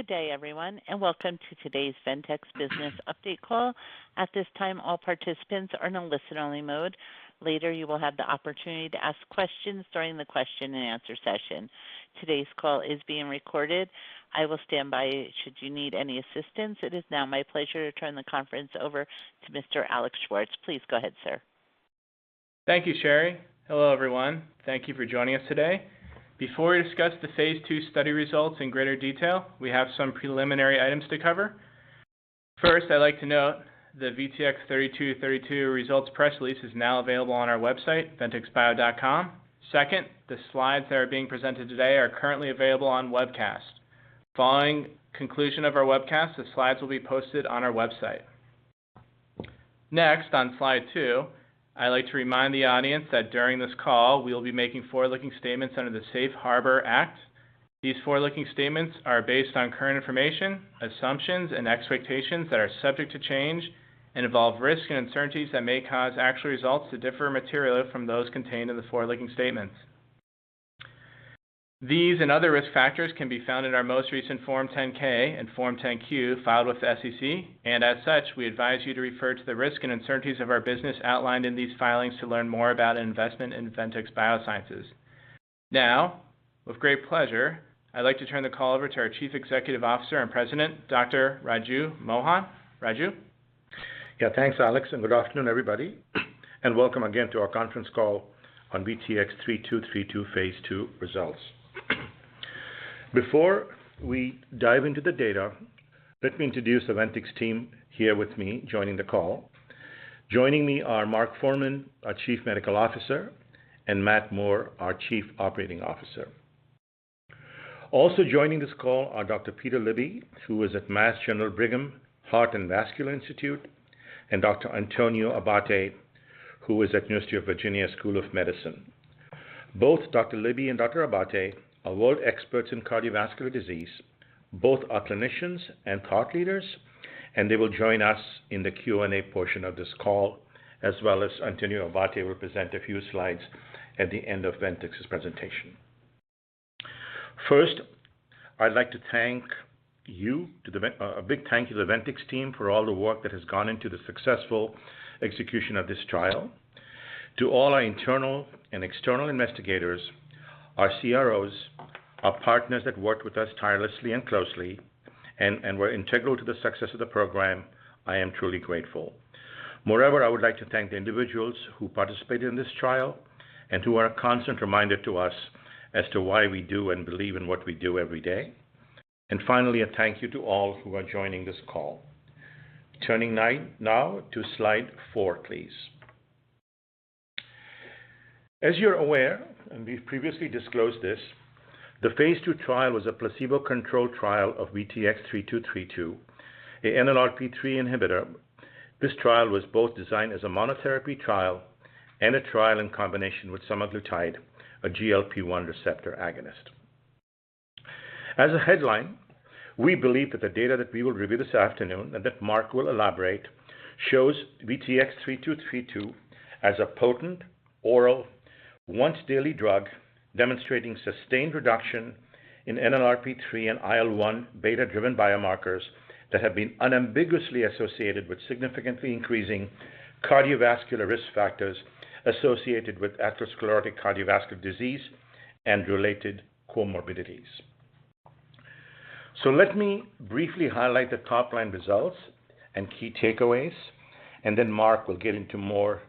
Good day, everyone, and welcome to today's Ventyx Biosciences Business Update call. At this time, all participants are in a listen-only mode. Later, you will have the opportunity to ask questions during the question-and-answer session. Today's call is being recorded. I will stand by should you need any assistance. It is now my pleasure to turn the conference over to Mr. Alex Schwartz. Please go ahead, sir. Thank you, Sherri. Hello, everyone. Thank you for joining us today. Before we discuss the phase II study results in greater detail, we have some preliminary items to cover. First, I'd like to note the VTX3232 results press release is now available on our website, ventyxbio.com. Second, the slides that are being presented today are currently available on webcast. Following the conclusion of our webcast, the slides will be posted on our website. Next, on slide two, I'd like to remind the audience that during this call, we will be making forward-looking statements under the Safe Harbor Act. These forward-looking statements are based on current information, assumptions, and expectations that are subject to change and involve risks and uncertainties that may cause actual results to differ materially from those contained in the forward-looking statements. These and other risk factors can be found in our most recent Form 10-K and Form 10-Q filed with the SEC, and as such, we advise you to refer to the risks and uncertainties of our business outlined in these filings to learn more about an investment in Ventyx Biosciences. Now, with great pleasure, I'd like to turn the call over to our Chief Executive Officer and President, Dr. Raju Mohan. Raju? Yeah, thanks, Alex, and good afternoon, everybody, and welcome again to our conference call on VTX3232 phase II results. Before we dive into the data, let me introduce the Ventyx team here with me joining the call. Joining me are Mark Forman, our Chief Medical Officer, and Matt Moore, our Chief Operating Officer. Also, joining this call are Dr. Peter Libby, who is at Mass General Brigham Heart and Vascular Institute, and Dr. Antonio Abbate, who is at the University of Virginia School of Medicine. Both Dr. Libby and Dr. Abbate are world experts in cardiovascular disease. Both are clinicians and thought leaders, and they will join us in the Q&A portion of this call, as well as Antonio Abbate will present a few slides at the end of Ventyx's presentation. First, I'd like to thank you, a big thank you to the Ventyx team for all the work that has gone into the successful execution of this trial. To all our internal and external investigators, our CROs, our partners that worked with us tirelessly and closely, and were integral to the success of the program, I am truly grateful. Moreover, I would like to thank the individuals who participated in this trial and who are a constant reminder to us as to why we do and believe in what we do every day. Finally, a thank you to all who are joining this call. Turning now to slide four, please. As you're aware, and we've previously disclosed this, the phase II trial was a placebo-controlled trial of VTX3232, an NLRP3 inhibitor. This trial was both designed as a monotherapy trial and a trial in combination with semaglutide, a GLP-1 receptor agonist. As a headline, we believe that the data that we will review this afternoon and that Mark will elaborate shows VTX3232 as a potent, oral, once-daily drug demonstrating sustained reduction in NLRP3 and IL-1β-driven biomarkers that have been unambiguously associated with significantly increasing cardiovascular risk factors associated with atherosclerotic cardiovascular disease and related comorbidities. Let me briefly highlight the top-line results and key takeaways, and then Mark will get into more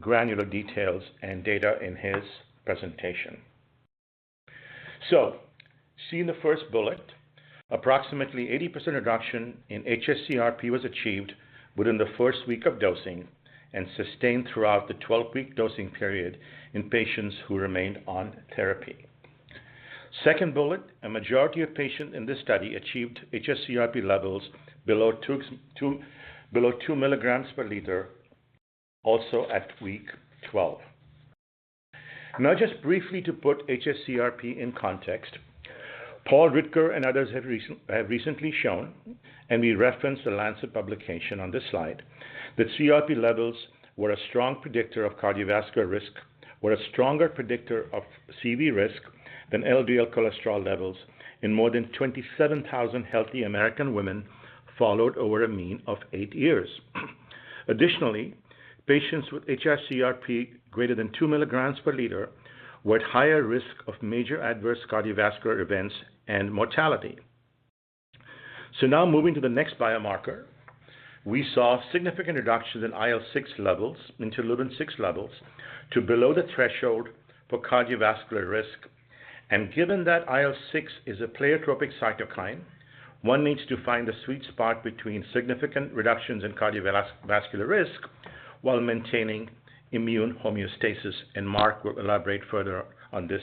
granular details and data in his presentation. In the first bullet, approximately 80% reduction in hsCRP was achieved within the first week of dosing and sustained throughout the 12-week dosing period in patients who remained on therapy. Second bullet, a majority of patients in this study achieved hsCRP levels below 2 mg/L, also at week 12. Now, just briefly to put hsCRP in context, Paul Ridker and others have recently shown, and we referenced the Lancet publication on this slide, that CRP levels were a strong predictor of cardiovascular risk, were a stronger predictor of CV risk than LDL cholesterol levels in more than 27,000 healthy American women followed over a mean of eight years. Additionally, patients with hsCRP greater than 2 mg/L were at higher risk of major adverse cardiovascular events and mortality. Now, moving to the next biomarker, we saw significant reductions in IL-6 levels, interleukin-6 levels, to below the threshold for cardiovascular risk. Given that IL-6 is a pleiotropic cytokine, one needs to find the sweet spot between significant reductions in cardiovascular risk while maintaining immune homeostasis, and Mark will elaborate further on this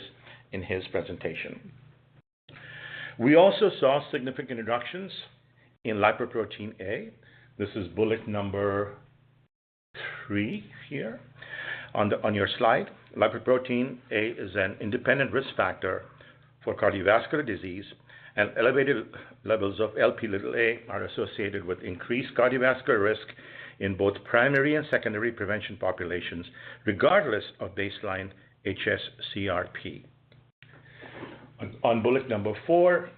in his presentation. We also saw significant reductions in Lipoprotein(a). This is bullet number three here on your slide. Lipoprotein(a) is an independent risk factor for cardiovascular disease, and elevated levels of Lp(a) are associated with increased cardiovascular risk in both primary and secondary prevention populations, regardless of baseline hsCRP. On bullet number four,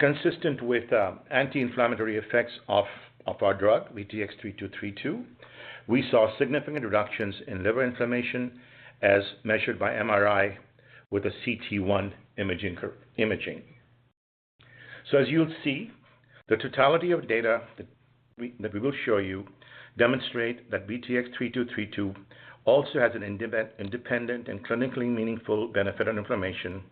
consistent with anti-inflammatory effects of our drug, VTX3232, we saw significant reductions in liver inflammation as measured by MRI CT1 imaging. As you'll see, the totality of data that we will show you demonstrates that VTX3232 also has an independent and clinically meaningful benefit on inflammation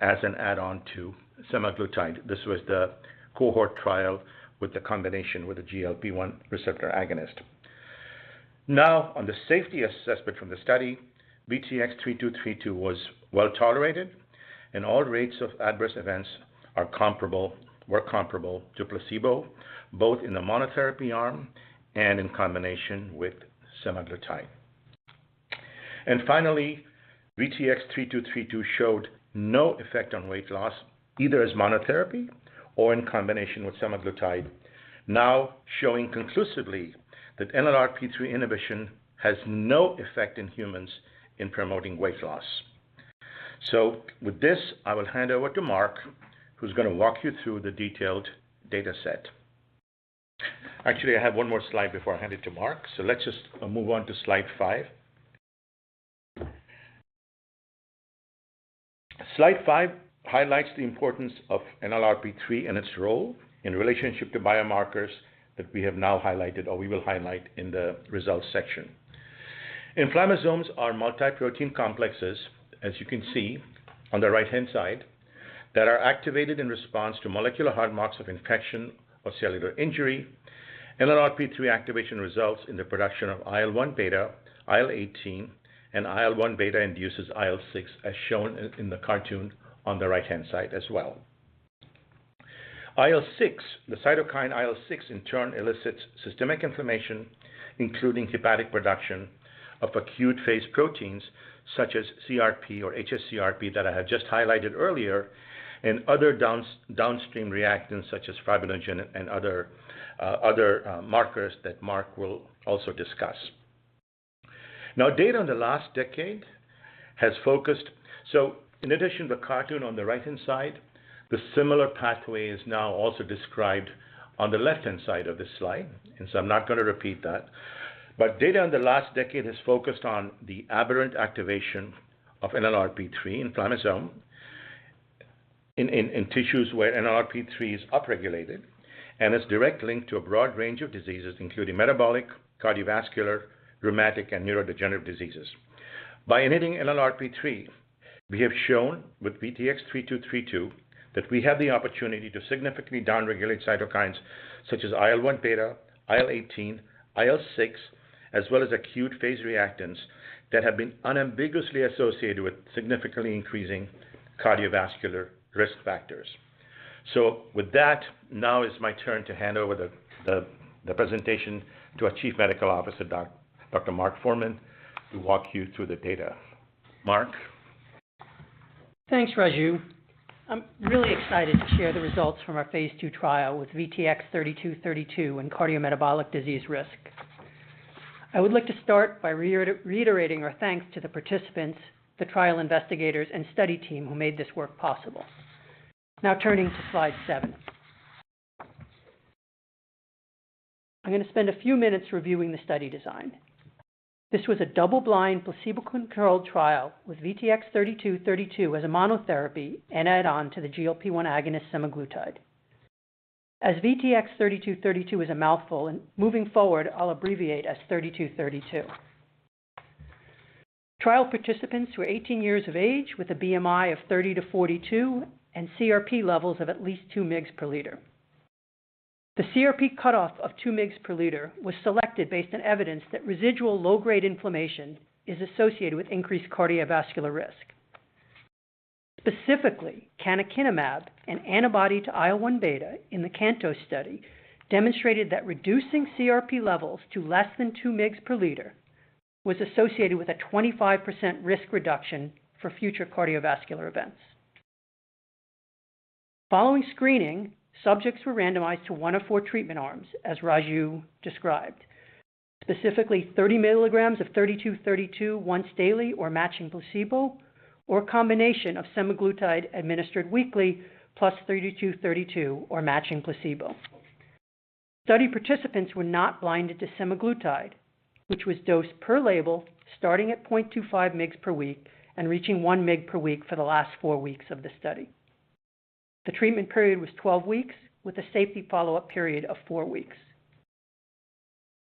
as an add-on to semaglutide. This was the cohort trial with the combination with a GLP-1 receptor agonist. Now, on the safety assessment from the study, VTX3232 was well tolerated, and all rates of adverse events were comparable to placebo, both in the monotherapy arm and in combination with semaglutide. Finally, VTX3232 showed no effect on weight loss, either as monotherapy or in combination with semaglutide, now showing conclusively that NLRP3 inhibition has no effect in humans in promoting weight loss. With this, I will hand over to Mark, who's going to walk you through the detailed data set. Actually, I have one more slide before I hand it to Mark, so let's just move on to slide five. Slide five highlights the importance of NLRP3 and its role in relationship to biomarkers that we have now highlighted or we will highlight in the results section. Inflammasomes are multiprotein complexes, as you can see on the right-hand side, that are activated in response to molecular hard marks of infection or cellular injury. NLRP3 activation results in the production of IL-1β, IL-18, and IL-1β induces IL-6, as shown in the cartoon on the right-hand side as well. IL-6, the cytokine IL-6, in turn, elicits systemic inflammation, including hepatic production of acute phase proteins such as CRP or hsCRP that I had just highlighted earlier, and other downstream reactants such as fibrinogen and other markers that Mark will also discuss. Data in the last decade has focused. In addition to the cartoon on the right-hand side, the similar pathway is now also described on the left-hand side of this slide, and I'm not going to repeat that. Data in the last decade has focused on the aberrant activation of NLRP3 inflammasome in tissues where NLRP3 is upregulated and is directly linked to a broad range of diseases, including metabolic, cardiovascular, rheumatic, and neurodegenerative diseases. By inhibiting NLRP3, we have shown with VTX3232 that we have the opportunity to significantly downregulate cytokines such as IL-1β, IL-18, IL-6, as well as acute phase reactants that have been unambiguously associated with significantly increasing cardiovascular risk factors. With that, now is my turn to hand over the presentation to our Chief Medical Officer, Dr. Mark Forman, to walk you through the data. Mark. Thanks, Raju. I'm really excited to share the results from our phase II trial with VTX3232 and cardiometabolic disease risk. I would like to start by reiterating our thanks to the participants, the trial investigators, and study team who made this work possible. Now, turning to slide seven, I'm going to spend a few minutes reviewing the study design. This was a double-blind, placebo-controlled trial with VTX3232 as a monotherapy and add-on to the GLP-1 receptor agonist semaglutide. As VTX3232 is a mouthful, and moving forward, I'll abbreviate as 3232. Trial participants were 18 years of age with a BMI of 30-42 and CRP levels of at least 2 mg/L. The CRP cutoff of 2 mg/L was selected based on evidence that residual low-grade inflammation is associated with increased cardiovascular risk. Specifically, canakinumab, an antibody to IL-1β, in the CANTOS study demonstrated that reducing CRP levels to less than 2 mg/L was associated with a 25% risk reduction for future cardiovascular events. Following screening, subjects were randomized to one of four treatment arms, as Raju described, specifically 30 mg of 3232 once daily or matching placebo or a combination of semaglutide administered weekly plus 3232 or matching placebo. Study participants were not blinded to semaglutide, which was dosed per label, starting at 0.25 mg per week and reaching 1 mg per week for the last four weeks of the study. The treatment period was 12 weeks with a safety follow-up period of four weeks.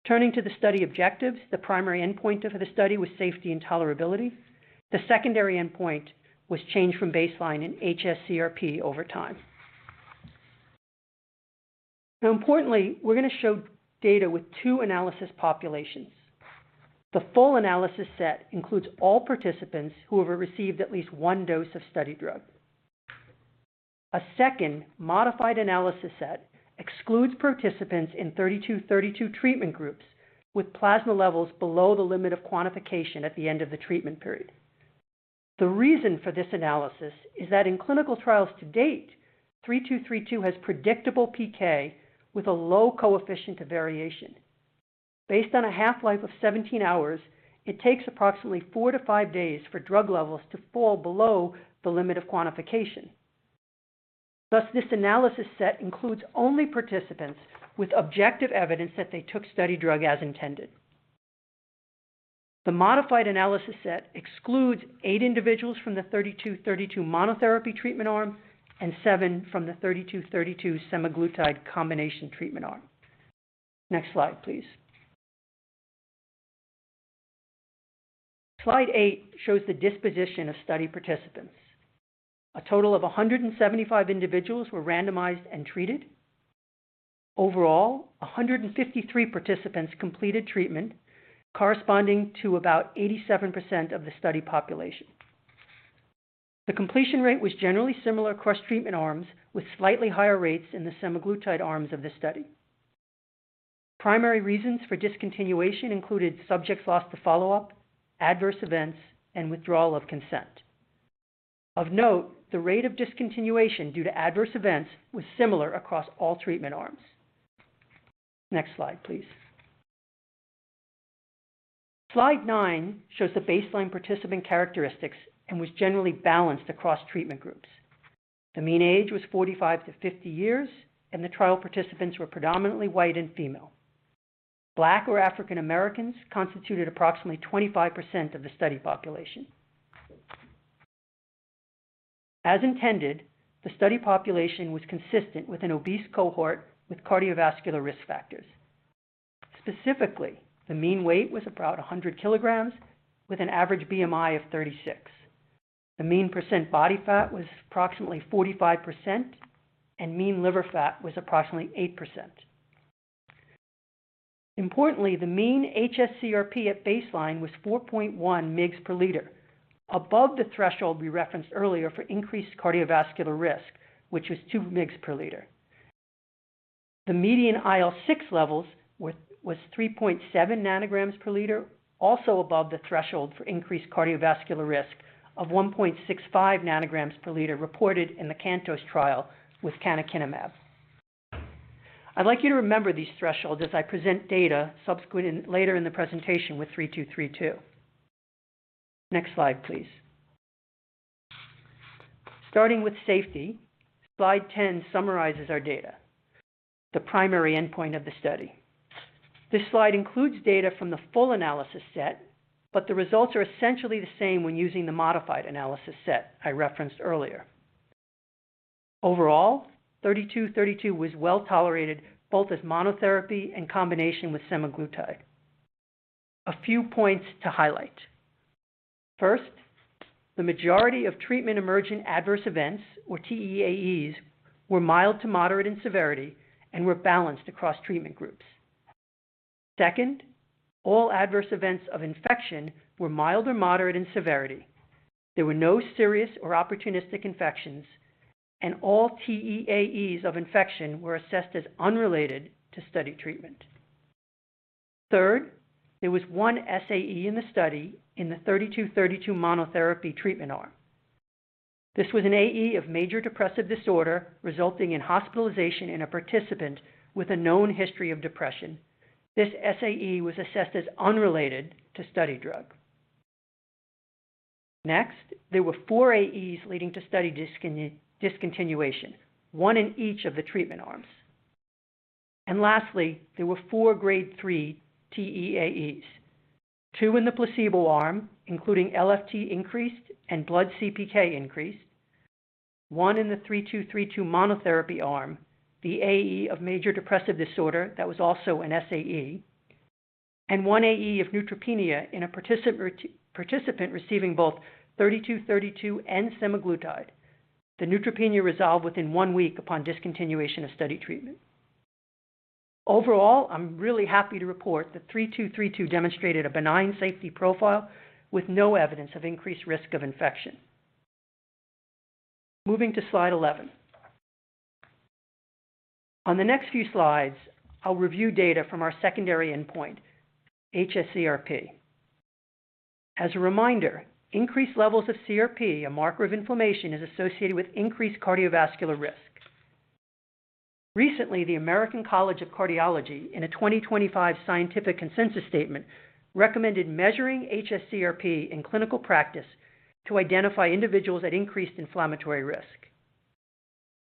Turning to the study objectives, the primary endpoint for the study was safety and tolerability. The secondary endpoint was change from baseline in hsCRP over time. Now, importantly, we're going to show data with two analysis populations. The full analysis set includes all participants who have received at least one dose of study drug. A second modified analysis set excludes participants in 3232 treatment groups with plasma levels below the limit of quantification at the end of the treatment period. The reason for this analysis is that in clinical trials to date, 3232 has predictable PK with a low coefficient of variation. Based on a half-life of 17 hours, it takes approximately four to five days for drug levels to fall below the limit of quantification. Thus, this analysis set includes only participants with objective evidence that they took study drug as intended. The modified analysis set excludes eight individuals from the VTX3232 monotherapy treatment arm and seven from the VTX3232 semaglutide combination treatment arm. Next slide, please. Slide eight shows the disposition of study participants. A total of 175 individuals were randomized and treated. Overall, 153 participants completed treatment, corresponding to about 87% of the study population. The completion rate was generally similar across treatment arms, with slightly higher rates in the semaglutide arms of the study. Primary reasons for discontinuation included subjects lost to follow-up, adverse events, and withdrawal of consent. Of note, the rate of discontinuation due to adverse events was similar across all treatment arms. Next slide, please. Slide nine shows the baseline participant characteristics and was generally balanced across treatment groups. The mean age was 45-50 years, and the trial participants were predominantly white and female. Black or African Americans constituted approximately 25% of the study population. As intended, the study population was consistent with an obese cohort with cardiovascular risk factors. Specifically, the mean weight was about 100 kg, with an average BMI of 36. The mean % body fat was approximately 45%, and mean liver fat was approximately 8%. Importantly, the mean hsCRP at baseline was 4.1 mg/L, above the threshold we referenced earlier for increased cardiovascular risk, which was 2 mg/L. The median IL-6 levels were 3.7 ng/L, also above the threshold for increased cardiovascular risk of 1.65 ng/L reported in the CANTOS trial with canakinumab. I'd like you to remember these thresholds as I present data subsequently later in the presentation with VTX3232. Next slide, please. Starting with safety, slide 10 summarizes our data, the primary endpoint of the study. This slide includes data from the full analysis set, but the results are essentially the same when using the modified analysis set I referenced earlier. Overall, VTX3232 was well tolerated both as monotherapy and in combination with semaglutide. A few points to highlight. First, the majority of treatment emergent adverse events, or TEAEs, were mild to moderate in severity and were balanced across treatment groups. Second, all adverse events of infection were mild or moderate in severity. There were no serious or opportunistic infections, and all TEAEs of infection were assessed as unrelated to study treatment. Third, there was one SAE in the study in the VTX3232 monotherapy treatment arm. This was an AE of major depressive disorder resulting in hospitalization in a participant with a known history of depression. This SAE was assessed as unrelated to study drug. Next, there were four AEs leading to study discontinuation, one in each of the treatment arms. Lastly, there were four grade 3 TEAEs, two in the placebo arm, including LFT increased and blood CPK increased, one in the VTX3232 monotherapy arm, the AE of major depressive disorder that was also an SAE, and one AE of neutropenia in a participant receiving both VTX3232 and semaglutide. The neutropenia resolved within one week upon discontinuation of study treatment. Overall, I'm really happy to report that VTX3232 demonstrated a benign safety profile with no evidence of increased risk of infection. Moving to slide 11. On the next few slides, I'll review data from our secondary endpoint, hsCRP. As a reminder, increased levels of CRP, a marker of inflammation, is associated with increased cardiovascular risk. Recently, the American College of Cardiology, in a 2025 scientific consensus statement, recommended measuring hsCRP in clinical practice to identify individuals at increased inflammatory risk.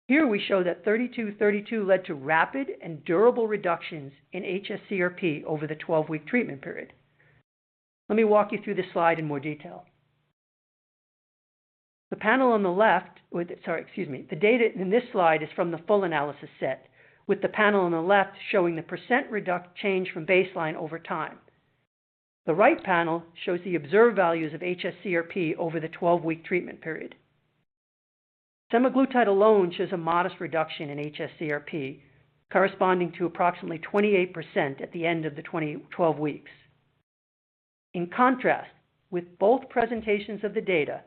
Here, we show that VTX3232 led to rapid and durable reductions in hsCRP over the 12-week treatment period. Let me walk you through this slide in more detail. The data in this slide is from the full analysis set, with the panel on the left showing the percent reduction change from baseline over time. The right panel shows the observed values of hsCRP over the 12-week treatment period. Semaglutide alone shows a modest reduction in hsCRP, corresponding to approximately 28% at the end of the 12 weeks. In contrast, with both presentations of the data,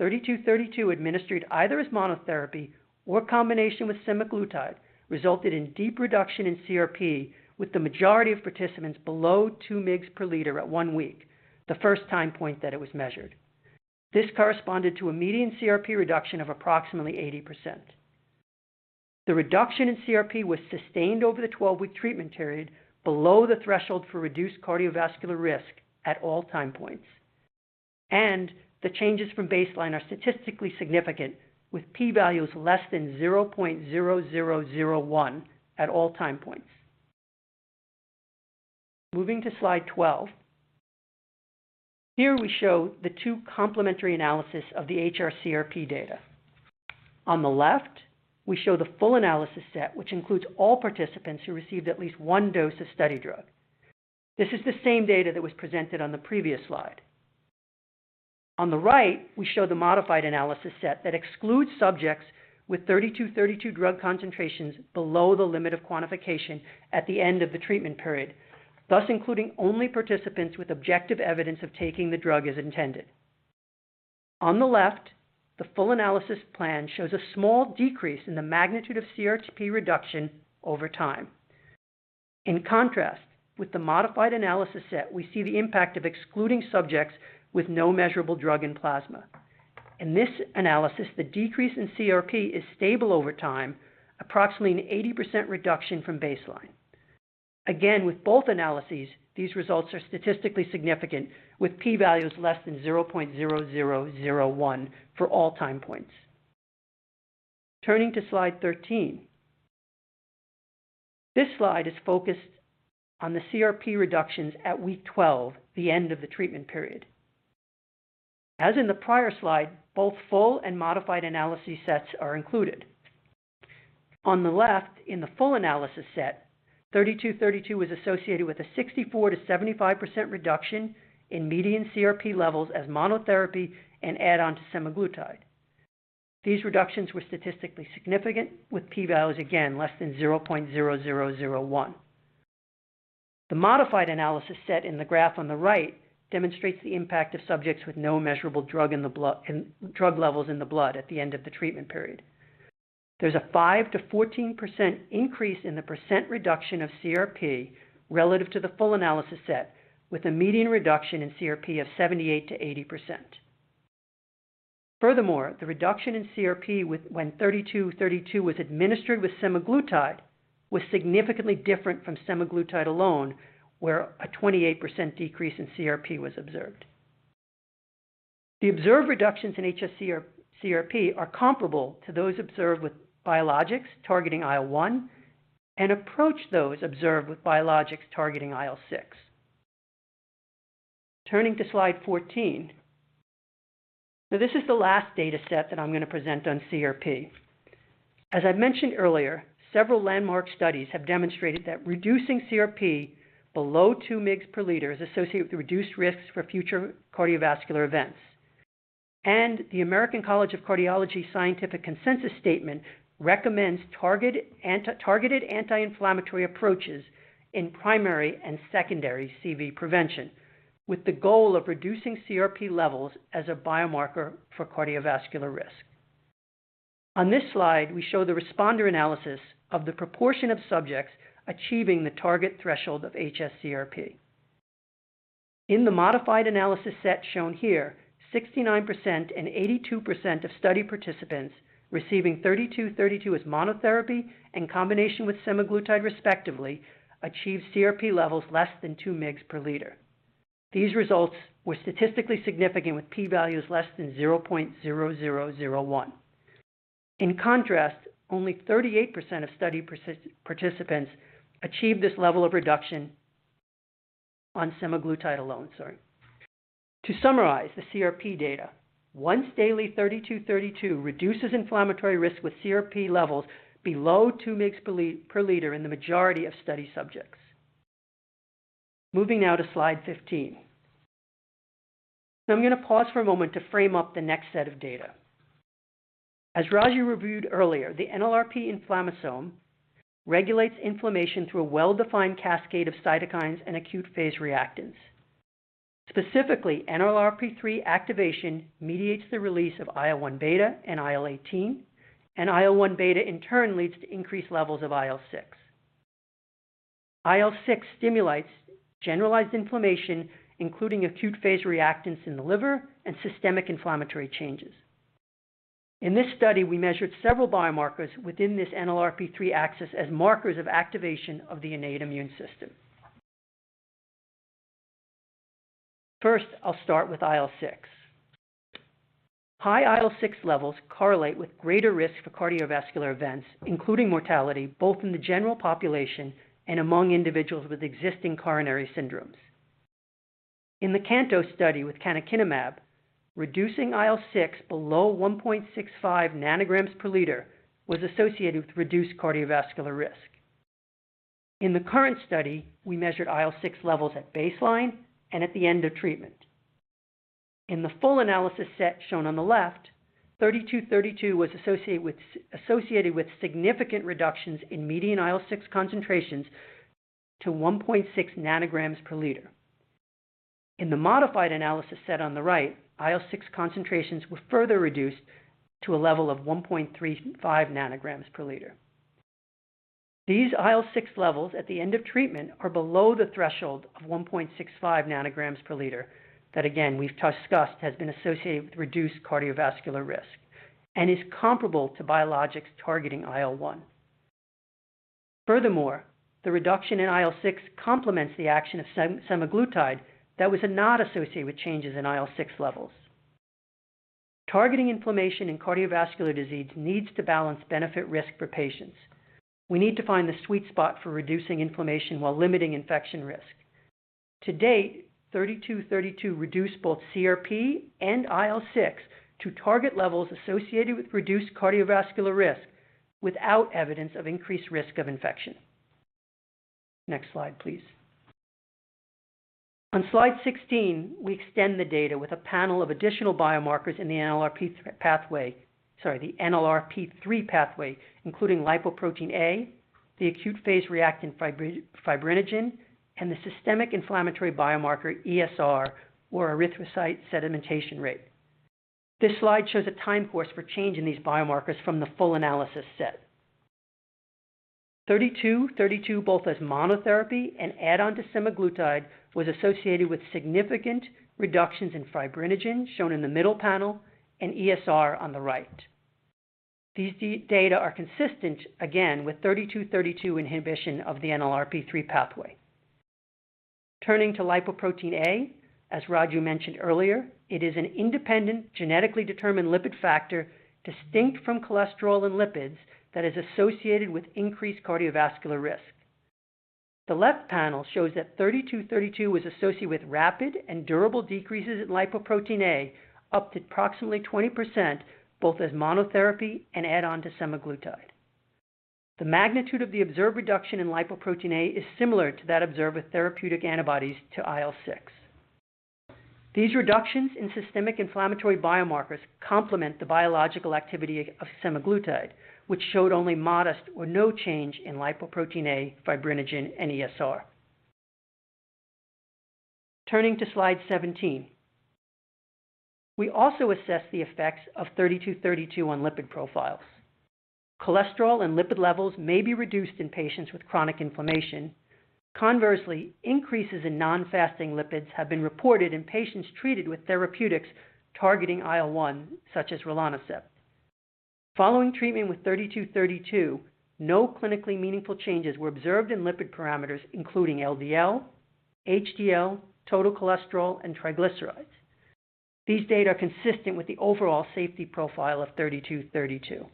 VTX3232 administered either as monotherapy or in combination with semaglutide resulted in deep reduction in CRP with the majority of participants below 2 mg/L at one week, the first time point that it was measured. This corresponded to a median CRP reduction of approximately 80%. The reduction in CRP was sustained over the 12-week treatment period, below the threshold for reduced cardiovascular risk at all time points. The changes from baseline are statistically significant, with P-values less than 0.0001 at all time points. Moving to slide 12, here we show the two complementary analyses of the hsCRP data. On the left, we show the full analysis set, which includes all participants who received at least one dose of study drug. This is the same data that was presented on the previous slide. On the right, we show the modified analysis set that excludes subjects with VTX3232 drug concentrations below the limit of quantification at the end of the treatment period, thus including only participants with objective evidence of taking the drug as intended. On the left, the full analysis plan shows a small decrease in the magnitude of CRP reduction over time. In contrast, with the modified analysis set, we see the impact of excluding subjects with no measurable drug in plasma. In this analysis, the decrease in CRP is stable over time, approximately an 80% reduction from baseline. Again, with both analyses, these results are statistically significant, with P-values less than 0.0001 for all time points. Turning to slide 13, this slide is focused on the CRP reductions at week 12, the end of the treatment period. As in the prior slide, both full and modified analysis sets are included. On the left, in the full analysis set, VTX3232 was associated with a 64%-75% reduction in median CRP levels as monotherapy and add-on to semaglutide. These reductions were statistically significant, with P-values again less than 0.0001. The modified analysis set in the graph on the right demonstrates the impact of subjects with no measurable drug levels in the blood at the end of the treatment period. There's a 5%-14% increase in the percent reduction of CRP relative to the full analysis set, with a median reduction in CRP of 78%-80%. Furthermore, the reduction in CRP when VTX3232 was administered with semaglutide was significantly different from semaglutide alone, where a 28% decrease in CRP was observed. The observed reductions in hsCRP are comparable to those observed with biologics targeting IL-1β and approach those observed with biologics targeting IL-6. Turning to slide 14, now this is the last data set that I'm going to present on CRP. As I mentioned earlier, several landmark studies have demonstrated that reducing CRP below 2 mg/L is associated with reduced risks for future cardiovascular events. The American College of Cardiology scientific consensus statement recommends targeted anti-inflammatory approaches in primary and secondary CV prevention, with the goal of reducing CRP levels as a biomarker for cardiovascular risk. On this slide, we show the responder analysis of the proportion of subjects achieving the target threshold of hsCRP. In the modified analysis set shown here, 69% and 82% of study participants receiving VTX3232 as monotherapy and combination with semaglutide respectively achieved CRP levels less than 2 mg/L. These results were statistically significant, with P-values less than 0.0001. In contrast, only 38% of study participants achieved this level of reduction on semaglutide alone. To summarize the CRP data, once-daily VTX3232 reduces inflammatory risk with CRP levels below 2 mg/L in the majority of study subjects. Moving now to slide 15. Now, I'm going to pause for a moment to frame up the next set of data. As Raju reviewed earlier, the NLRP3 inflammasome regulates inflammation through a well-defined cascade of cytokines and acute phase reactants. Specifically, NLRP3 activation mediates the release of IL-1β and IL-18, and IL-1β, in turn, leads to increased levels of IL-6. IL-6 stimulates generalized inflammation, including acute phase reactants in the liver and systemic inflammatory changes. In this study, we measured several biomarkers within this NLRP3 axis as markers of activation of the innate immune system. First, I'll start with IL-6. High IL-6 levels correlate with greater risk for cardiovascular events, including mortality, both in the general population and among individuals with existing coronary syndromes. In the CANTOS study with canakinumab, reducing IL-6 below 1.65 ng/L was associated with reduced cardiovascular risk. In the current study, we measured IL-6 levels at baseline and at the end of treatment. In the full analysis set shown on the left, VTX3232 was associated with significant reductions in median IL-6 concentrations to 1.6 ng/L. In the modified analysis set on the right, IL-6 concentrations were further reduced to a level of 1.35 ng/L. These IL-6 levels at the end of treatment are below the threshold of 1.65 ng/L that, again, we've discussed, has been associated with reduced cardiovascular risk and is comparable to biologics targeting IL-1. Furthermore, the reduction in IL-6 complements the action of semaglutide that was not associated with changes in IL-6 levels. Targeting inflammation in cardiovascular disease needs to balance benefit-risk for patients. We need to find the sweet spot for reducing inflammation while limiting infection risk. To date, VTX3232 reduced both CRP and IL-6 to target levels associated with reduced cardiovascular risk without evidence of increased risk of infection. Next slide, please. On slide 16, we extend the data with a panel of additional biomarkers in the NLRP3 pathway, including Lipoprotein(a), the acute phase reactant fibrinogen, and the systemic inflammatory biomarker ESR, or erythrocyte sedimentation rate. This slide shows a time course for change in these biomarkers from the full analysis set. VTX3232, both as monotherapy and add-on to semaglutide, was associated with significant reductions in fibrinogen, shown in the middle panel, and ESR on the right. These data are consistent, again, with VTX3232 inhibition of the NLRP3 pathway. Turning to Lipoprotein(a), as Raju mentioned earlier, it is an independent genetically determined lipid factor distinct from cholesterol and lipids that is associated with increased cardiovascular risk. The left panel shows that VTX3232 was associated with rapid and durable decreases in Lipoprotein(a), up to approximately 20%, both as monotherapy and add-on to semaglutide. The magnitude of the observed reduction in Lipoprotein(a) is similar to that observed with therapeutic antibodies to IL-6. These reductions in systemic inflammatory biomarkers complement the biological activity of semaglutide, which showed only modest or no change in Lipoprotein(a), fibrinogen, and ESR. Turning to slide 17, we also assess the effects of VTX3232 on lipid profiles. Cholesterol and lipid levels may be reduced in patients with chronic inflammation. Conversely, increases in non-fasting lipids have been reported in patients treated with therapeutics targeting IL-1β, such as Relanosib. Following treatment with VTX3232, no clinically meaningful changes were observed in lipid parameters, including LDL, HDL, total cholesterol, and triglycerides. These data are consistent with the overall safety profile of VTX3232.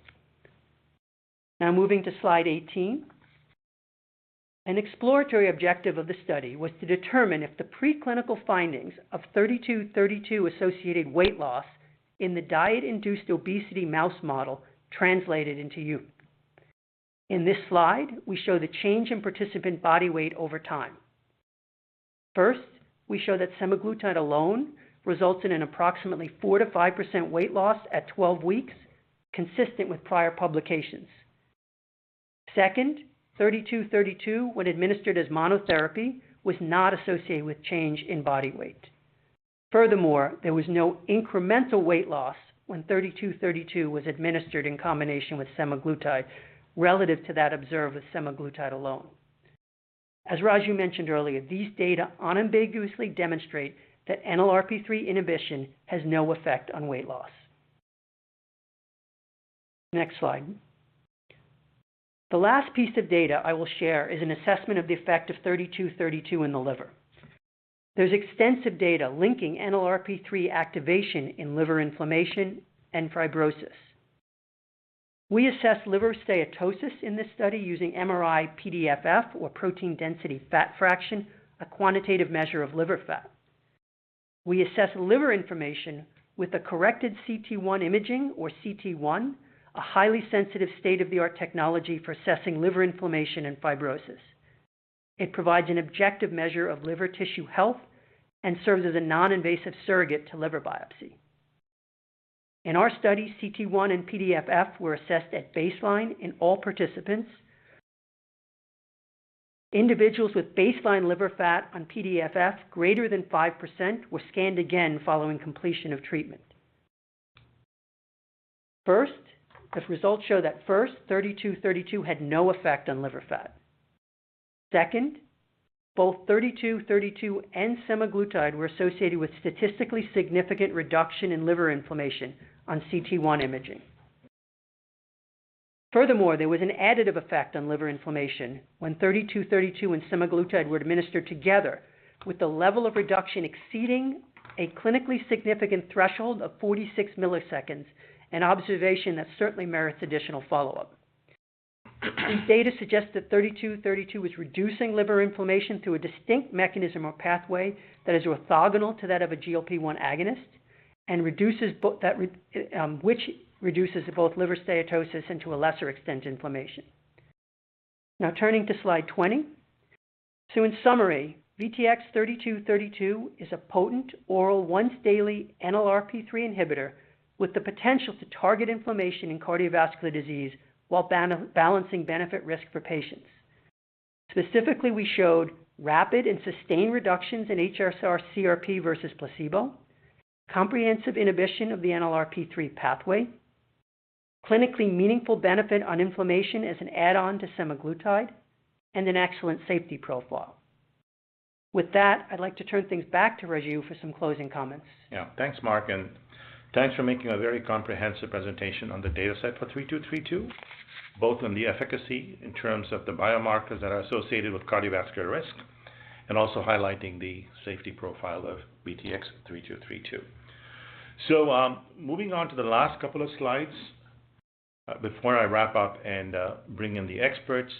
Now, moving to slide 18, an exploratory objective of the study was to determine if the preclinical findings of VTX3232-associated weight loss in the diet-induced obesity mouse model translated into use. In this slide, we show the change in participant body weight over time. First, we show that semaglutide alone results in an approximately 4%-5% weight loss at 12 weeks, consistent with prior publications. Second, VTX3232, when administered as monotherapy, was not associated with change in body weight. Furthermore, there was no incremental weight loss when VTX3232 was administered in combination with semaglutide relative to that observed with semaglutide alone. As Raju mentioned earlier, these data unambiguously demonstrate that NLRP3 inhibition has no effect on weight loss. Next slide. The last piece of data I will share is an assessment of the effect of VTX3232 in the liver. There's extensive data linking NLRP3 activation in liver inflammation and fibrosis. We assess liver steatosis in this study using MRI PDFF, or proton density fat fraction, a quantitative measure of liver fat. We assess liver inflammation with the corrected CT1 imaging, or CT1, a highly sensitive state-of-the-art technology for assessing liver inflammation and fibrosis. It provides an objective measure of liver tissue health and serves as a non-invasive surrogate to liver biopsy. In our study, CT1 and PDFF were assessed at baseline in all participants. Individuals with baseline liver fat on PDFF greater than 5% were scanned again following completion of treatment. First, the results show that VTX3232 had no effect on liver fat. Second, both VTX3232 and semaglutide were associated with statistically significant reduction in liver inflammation on CT1 imaging. Furthermore, there was an additive effect on liver inflammation when VTX3232 and semaglutide were administered together, with the level of reduction exceeding a clinically significant threshold of 46 milliseconds, an observation that certainly merits additional follow-up. These data suggest that VTX3232 was reducing liver inflammation through a distinct mechanism or pathway that is orthogonal to that of a GLP-1 receptor agonist, which reduces both liver steatosis and, to a lesser extent, inflammation. Now, turning to slide 20. In summary, VTX3232 is a potent, oral, once-daily NLRP3 inhibitor with the potential to target inflammation in cardiovascular disease while balancing benefit-risk for patients. Specifically, we showed rapid and sustained reductions in hsCRP versus placebo, comprehensive inhibition of the NLRP3 pathway, clinically meaningful benefit on inflammation as an add-on to semaglutide, and an excellent safety profile. With that, I'd like to turn things back to Raju for some closing comments. Yeah, thanks, Mark, and thanks for making a very comprehensive presentation on the data set for VTX3232, both on the efficacy in terms of the biomarkers that are associated with cardiovascular risk and also highlighting the safety profile of VTX3232. Moving on to the last couple of slides before I wrap up and bring in the experts.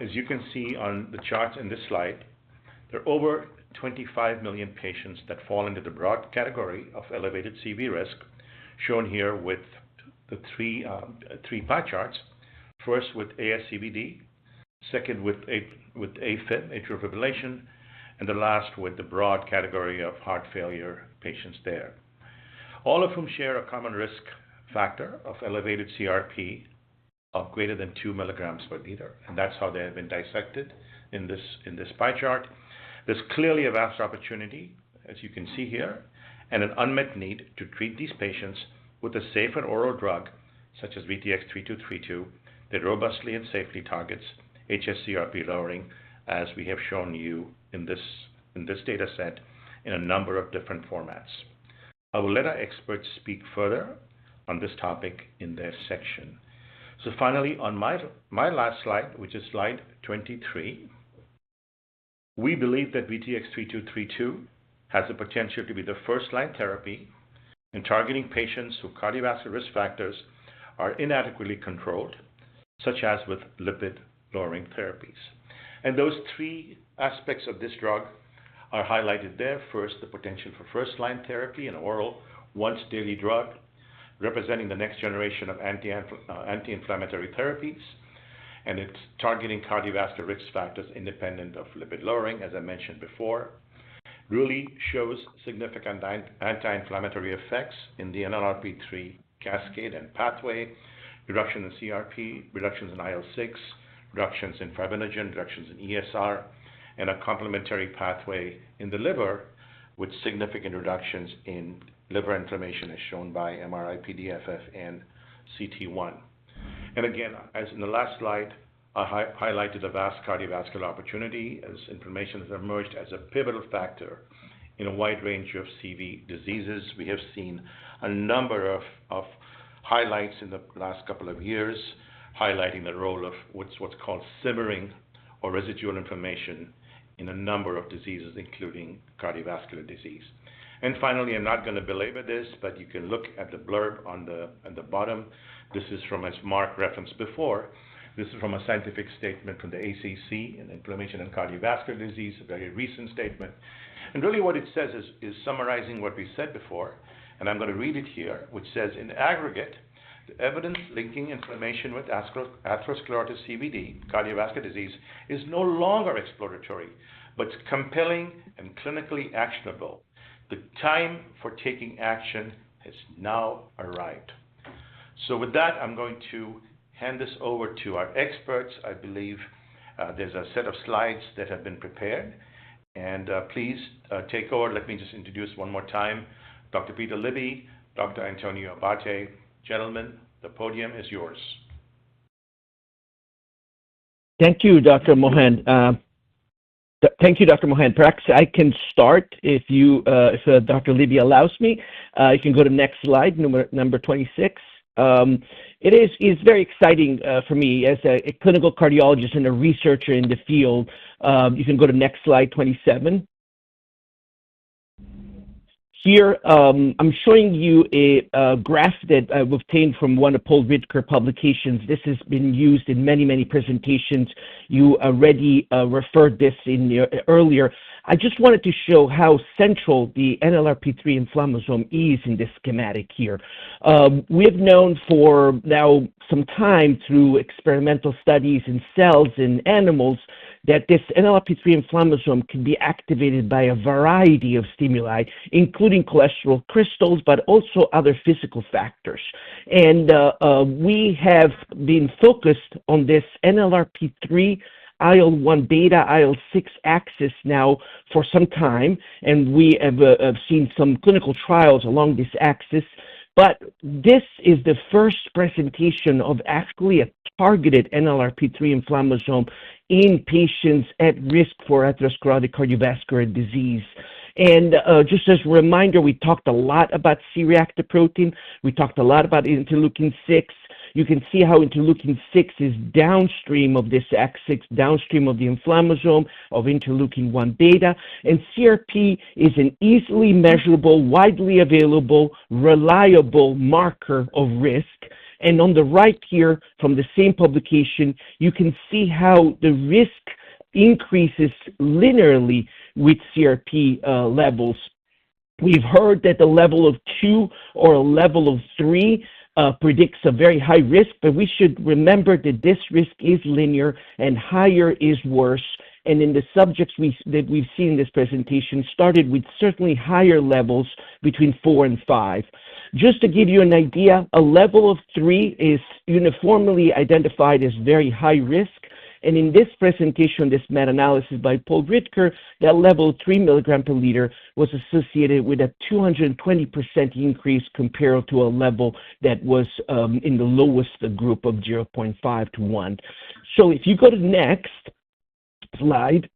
As you can see on the charts in this slide, there are over 25 million patients that fall into the broad category of elevated CV risk, shown here with the three pie charts, first with atherosclerotic cardiovascular disease, second with atrial fibrillation, and the last with the broad category of heart failure patients there, all of whom share a common risk factor of elevated CRP of greater than 2 mg/L, and that's how they have been dissected in this pie chart. There's clearly a vast opportunity, as you can see here, and an unmet need to treat these patients with a safer oral drug such as VTX3232 that robustly and safely targets hsCRP lowering, as we have shown you in this data set in a number of different formats. I will let our experts speak further on this topic in their section. Finally, on my last slide, which is slide 23, we believe that VTX3232 has the potential to be the first-line therapy in targeting patients whose cardiovascular risk factors are inadequately controlled, such as with lipid-lowering therapies. Those three aspects of this drug are highlighted there. First, the potential for first-line therapy, an oral, once-daily drug representing the next generation of anti-inflammatory therapies, and its targeting cardiovascular risk factors independent of lipid lowering, as I mentioned before, really shows significant anti-inflammatory effects in the NLRP3 cascade and pathway, reduction in CRP, reductions in IL-6, reductions in fibrinogen, reductions in ESR, and a complementary pathway in the liver with significant reductions in liver inflammation, as shown by MRI PDF-F and CT1. Again, as in the last slide, I highlighted a vast cardiovascular opportunity as inflammation has emerged as a pivotal factor in a wide range of CV diseases. We have seen a number of highlights in the last couple of years highlighting the role of what's called simmering or residual inflammation in a number of diseases, including cardiovascular disease. Finally, I'm not going to belabor this, but you can look at the blurb on the bottom. This is from, as Mark referenced before, this is from a scientific statement from the ACC in Inflammation and Cardiovascular Disease, a very recent statement. What it says is summarizing what we said before, and I'm going to read it here, which says, "In aggregate, the evidence linking inflammation with atherosclerotic CVD, cardiovascular disease, is no longer exploratory, but compelling and clinically actionable. The time for taking action has now arrived." With that, I'm going to hand this over to our experts. I believe there's a set of slides that have been prepared, and please take over. Let me just introduce one more time Dr. Peter Libby, Dr. Antonio Abbate. Gentlemen, the podium is yours. Thank you, Dr. Mohan. Perhaps I can start if Dr. Libby allows me. You can go to the next slide, number 26. It is very exciting for me as a Clinical Cardiologist and a researcher in the field. You can go to the next slide, 27. Here, I'm showing you a graph that I've obtained from one of Paul Ridker's publications. This has been used in many, many presentations. You already referred to this earlier. I just wanted to show how central the NLRP3 inflammasome is in this schematic here. We have known for now some time through experimental studies in cells and animals that this NLRP3 inflammasome can be activated by a variety of stimuli, including cholesterol crystals, but also other physical factors. We have been focused on this NLRP3 IL-1β IL-6 axis now for some time, and we have seen some clinical trials along this axis. This is the first presentation of actually a targeted NLRP3 inflammasome in patients at risk for atherosclerotic cardiovascular disease. Just as a reminder, we talked a lot about C-reactive protein. We talked a lot about interleukin-6. You can see how interleukin-6 is downstream of this axis, downstream of the inflammasome of interleukin-1β. CRP is an easily measurable, widely available, reliable marker of risk. On the right here, from the same publication, you can see how the risk increases linearly with CRP levels. We've heard that the level of 2 or a level of 3 predicts a very high risk, but we should remember that this risk is linear, and higher is worse. In the subjects that we've seen in this presentation, it started with certainly higher levels between 4 and 5. Just to give you an idea, a level of 3 is uniformly identified as very high risk. In this presentation, this meta-analysis by Paul Ridker, that level of 3 mg/L was associated with a 220% increase compared to a level that was in the lowest group of 0.5-1. If you go to the next slide,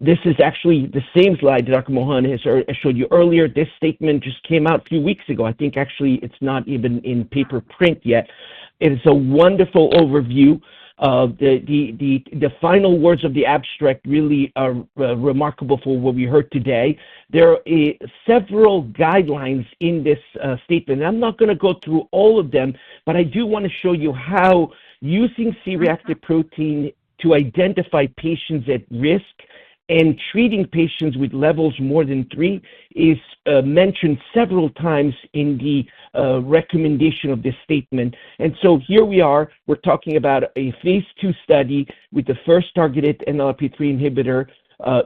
this is actually the same slide Dr. Mohan has showed you earlier. This statement just came out a few weeks ago. I think actually it's not even in paper print yet. It is a wonderful overview. The final words of the abstract really are remarkable for what we heard today. There are several guidelines in this statement. I'm not going to go through all of them, but I do want to show you how using C-reactive protein to identify patients at risk and treating patients with levels more than 3 is mentioned several times in the recommendation of this statement. Here we are. We're talking about a phase II study with the first targeted NLRP3 inhibitor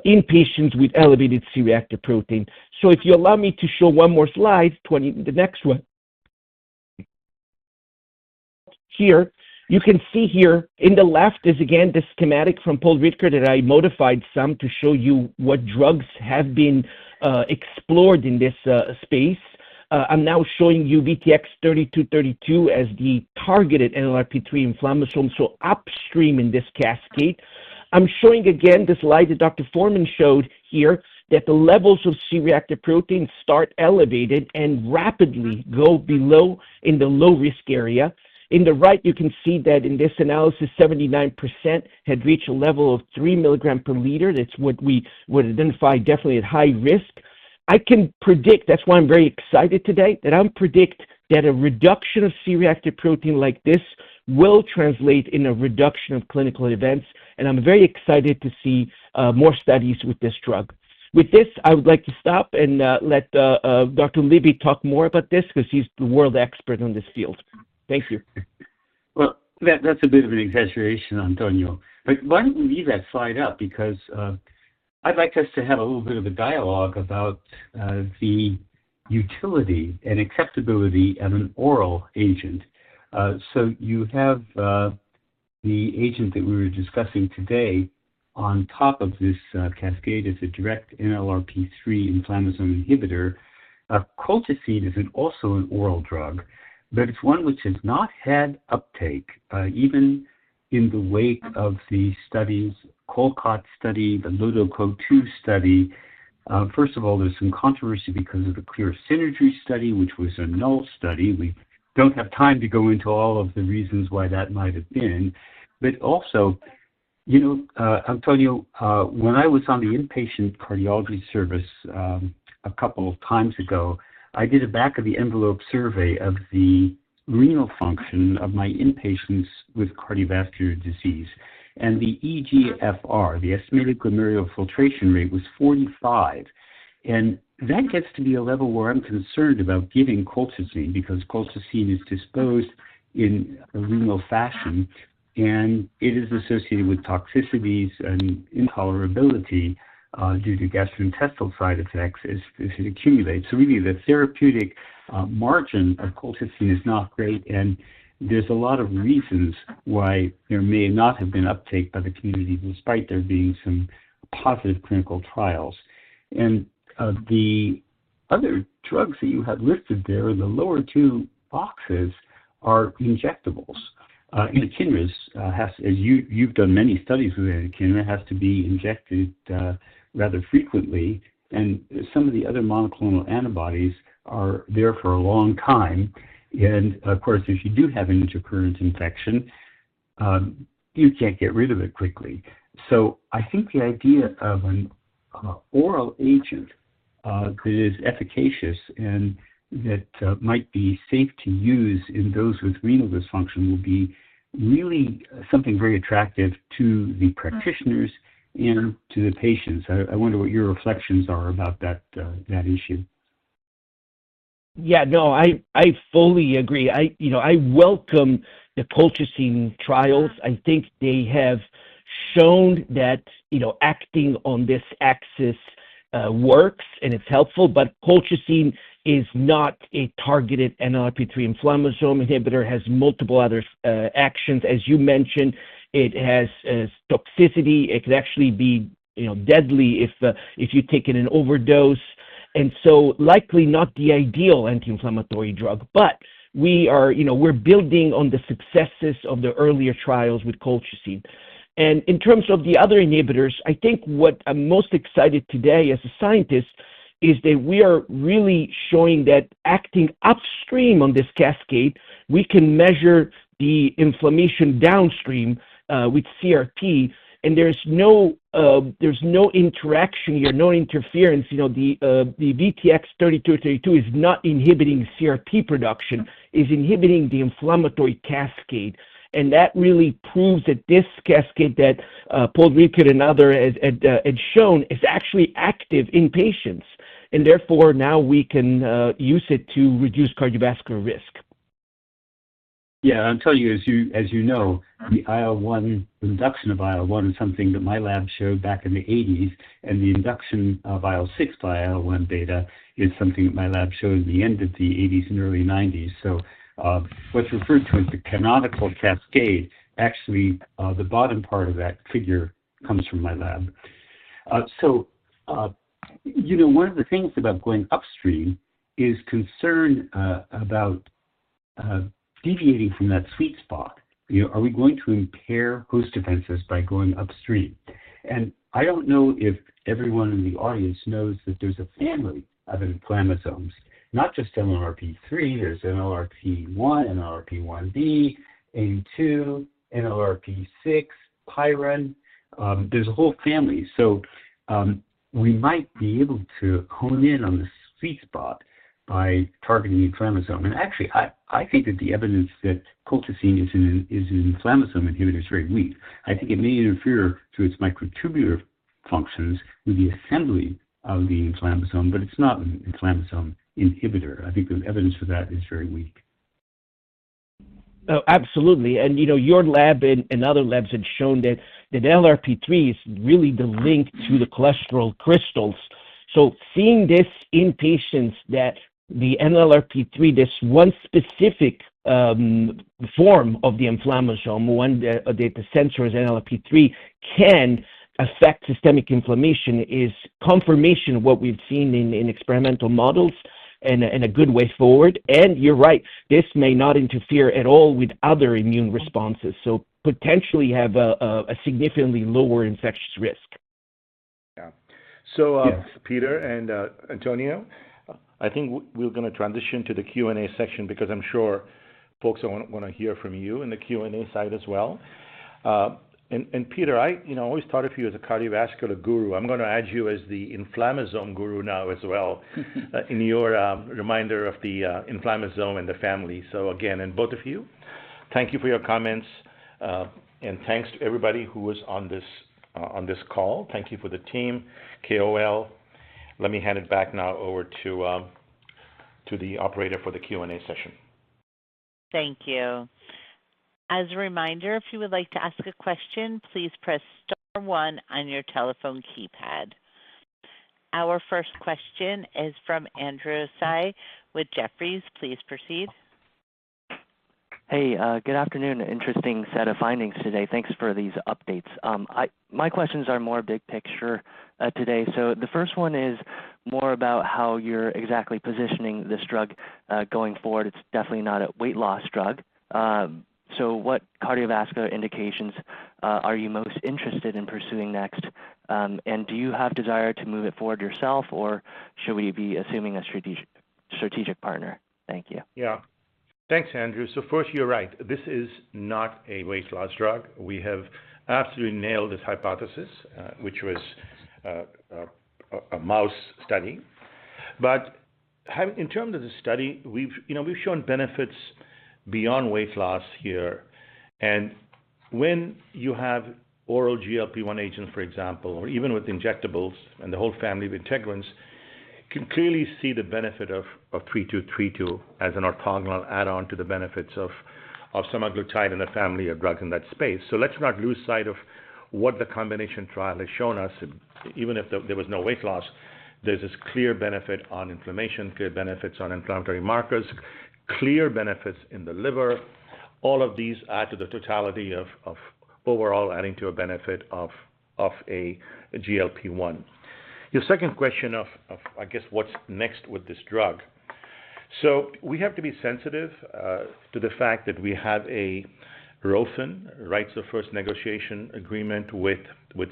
in patients with elevated C-reactive protein. If you allow me to show one more slide, the next one here, you can see here on the left is again the schematic from Paul Ridker that I modified some to show you what drugs have been explored in this space. I'm now showing you VTX3232 as the targeted NLRP3 inflammasome, so upstream in this cascade. I'm showing again the slide that Dr. Mark Forman showed here that the levels of C-reactive protein start elevated and rapidly go below in the low-risk area. On the right, you can see that in this analysis, 79% had reached a level of 3 mg/L. That's what we would identify definitely at high risk. I can predict that's why I'm very excited today that I can predict that a reduction of C-reactive protein like this will translate in a reduction of clinical events, and I'm very excited to see more studies with this drug. With this, I would like to stop and let Dr. Peter Libby talk more about this because he's the world expert on this field. Thank you. That's a bit of an exaggeration, Antonio. Why don't we leave that slide up? I'd like us to have a little bit of a dialogue about the utility and acceptability of an oral agent. You have the agent that we were discussing today on top of this cascade as a direct NLRP3 inflammasome inhibitor. Colchicine is also an oral drug, but it's one which has not had uptake even in the wake of the studies: COLCOT study, the LUPIL-2 study. First of all, there's some controversy because of the Clear Synergy study, which was a null study. We don't have time to go into all of the reasons why that might have been. Also, you know, Antonio, when I was on the inpatient cardiology service a couple of times ago, I did a back-of-the-envelope survey of the renal function of my inpatients with cardiovascular disease, and the EGFR, the estimated glomerular filtration rate, was 45. That gets to be a level where I'm concerned about giving colchicine because colchicine is disposed of in a renal fashion, and it is associated with toxicities and intolerability due to gastrointestinal side effects if it accumulates. Really, the therapeutic margin of colchicine is not great, and there's a lot of reasons why there may not have been uptake by the community despite there being some positive clinical trials. The other drugs that you have listed there in the lower two boxes are injectables. Anakinras, as you've done many studies with Anakinra, have to be injected rather frequently, and some of the other monoclonal antibodies are there for a long time. Of course, if you do have an intercurrent infection, you can't get rid of it quickly. I think the idea of an oral agent that is efficacious and that might be safe to use in those with renal dysfunction will be really something very attractive to the practitioners and to the patients. I wonder what your reflections are about that issue. Yeah, no, I fully agree. I welcome the colchicine trials. I think they have shown that acting on this axis works and it's helpful, but colchicine is not a targeted NLRP3 inflammasome inhibitor. It has multiple other actions. As you mentioned, it has toxicity. It could actually be deadly if you take it in an overdose, and likely not the ideal anti-inflammatory drug. We are building on the successes of the earlier trials with colchicine. In terms of the other inhibitors, I think what I'm most excited about today as a scientist is that we are really showing that acting upstream on this cascade, we can measure the inflammation downstream with high-sensitivity C-reactive protein, and there's no interaction here, no interference. The VTX3232 is not inhibiting high-sensitivity C-reactive protein production. It's inhibiting the inflammatory cascade, and that really proves that this cascade that Paul Ridker and others had shown is actually active in patients, and therefore now we can use it to reduce cardiovascular risk. Yeah, Antonio, as you know, the IL-1 induction of IL-1 is something that my lab showed back in the '80s, and the induction of IL-6 by IL-1β is something that my lab showed in the end of the '80s and early '90s. What's referred to as the canonical cascade, actually the bottom part of that figure comes from my lab. One of the things about going upstream is concern about deviating from that sweet spot. Are we going to impair host defenses by going upstream? I don't know if everyone in the audience knows that there's a family of inflammasomes, not just NLRP3. There's NLRP1, NLRP1B, NLRP2, NLRP6, PYRIN. There's a whole family. We might be able to hone in on the sweet spot by targeting the inflammasome. Actually, I think that the evidence that colchicine is an inflammasome inhibitor is very weak. I think it may interfere with its microtubular functions with the assembly of the inflammasome, but it's not an inflammasome inhibitor. I think the evidence for that is very weak. Absolutely. You know, your lab and other labs have shown that NLRP3 is really the link to the cholesterol crystals. Seeing this in patients, that the NLRP3, this one specific form of the inflammasome, one where the sensor is NLRP3, can affect systemic inflammation is confirmation of what we've seen in experimental models and a good way forward. You're right, this may not interfere at all with other immune responses, so it could potentially have a significantly lower infectious risk. Yeah. Peter and Antonio, I think we're going to transition to the Q&A section because I'm sure folks want to hear from you in the Q&A side as well. Peter, I always thought of you as a cardiovascular guru. I'm going to add you as the inflammasome guru now as well in your reminder of the inflammasome and the family. Again, both of you, thank you for your comments, and thanks to everybody who was on this call. Thank you for the team, KOL. Let me hand it back now over to the operator for the Q&A session. Thank you. As a reminder, if you would like to ask a question, please press star one on your telephone keypad. Our first question is from Andrew Tsai with Jefferies. Please proceed. Hey, good afternoon. Interesting set of findings today. Thanks for these updates. My questions are more big picture today. The first one is more about how you're exactly positioning this drug going forward. It's definitely not a weight loss drug. What cardiovascular indications are you most interested in pursuing next? Do you have desire to move it forward yourself, or should we be assuming a strategic partner? Thank you. Yeah. Thanks, Andrew. First, you're right. This is not a weight loss drug. We have absolutely nailed this hypothesis, which was a mouse study. In terms of the study, we've shown benefits beyond weight loss here. When you have oral GLP-1 receptor agonists, for example, or even with injectables and the whole family of integrins, you can clearly see the benefit of VTX3232 as an orthogonal add-on to the benefits of semaglutide in the family, a drug in that space. Let's not lose sight of what the combination trial has shown us. Even if there was no weight loss, there's this clear benefit on inflammation, clear benefits on inflammatory markers, clear benefits in the liver. All of these add to the totality of overall adding to a benefit of a GLP-1 receptor agonist. Your second question of, I guess, what's next with this drug. We have to be sensitive to the fact that we have a right of first negotiation agreement with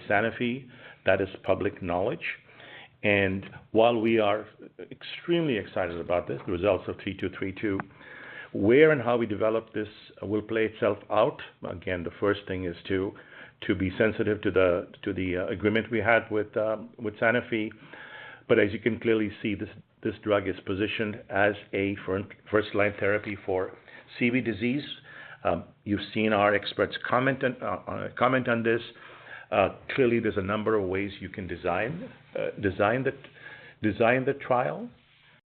Sanofi. That is public knowledge. While we are extremely excited about this, the results of VTX3232, where and how we develop this will play itself out. The first thing is to be sensitive to the agreement we had with Sanofi. As you can clearly see, this drug is positioned as a first-line therapy for atherosclerotic cardiovascular disease. You've seen our experts comment on this. Clearly, there's a number of ways you can design the trial,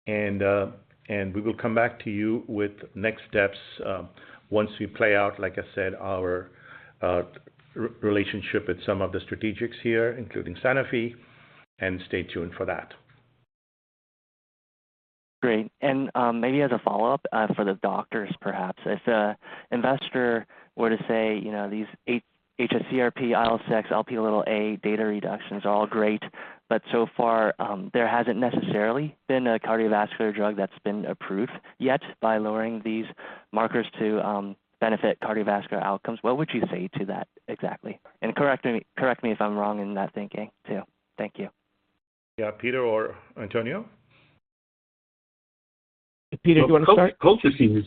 and we will come back to you with next steps once we play out, like I said, our relationship with some of the strategics here, including Sanofi. Stay tuned for that. Great. Maybe as a follow-up for the doctors, perhaps, if an investor were to say, you know, these hsCRP, IL-6, Lp(a) data reductions are all great, but so far, there hasn't necessarily been a cardiovascular drug that's been approved yet by lowering these markers to benefit cardiovascular outcomes. What would you say to that exactly? Correct me if I'm wrong in that thinking too. Thank you. Yeah, Peter or Antonio? Peter, do you want to start? Colchicine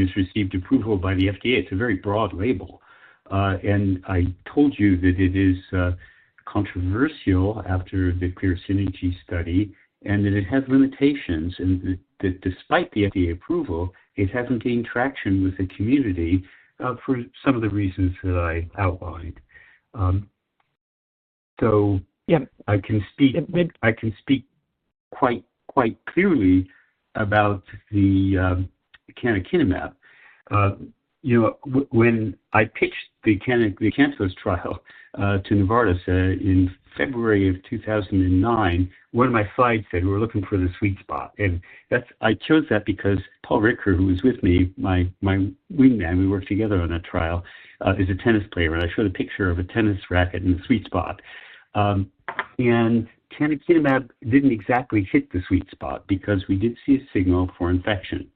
has received approval by the FDA. It's a very broad label. I told you that it is controversial after the Clear Synergy study and that it has limitations and that despite the FDA approval, it hasn't gained traction with the community for some of the reasons that I outlined. I can speak quite clearly about the canakinumab. When I pitched the CANTOS trial to Novartis in February of 2009, one of my slides said, "We're looking for the sweet spot." I chose that because Paul Ridker, who was with me, my wingman, we worked together on that trial, is a tennis player, and I showed a picture of a tennis racket in the sweet spot. Canakinumab didn't exactly hit the sweet spot because we did see a signal for infection.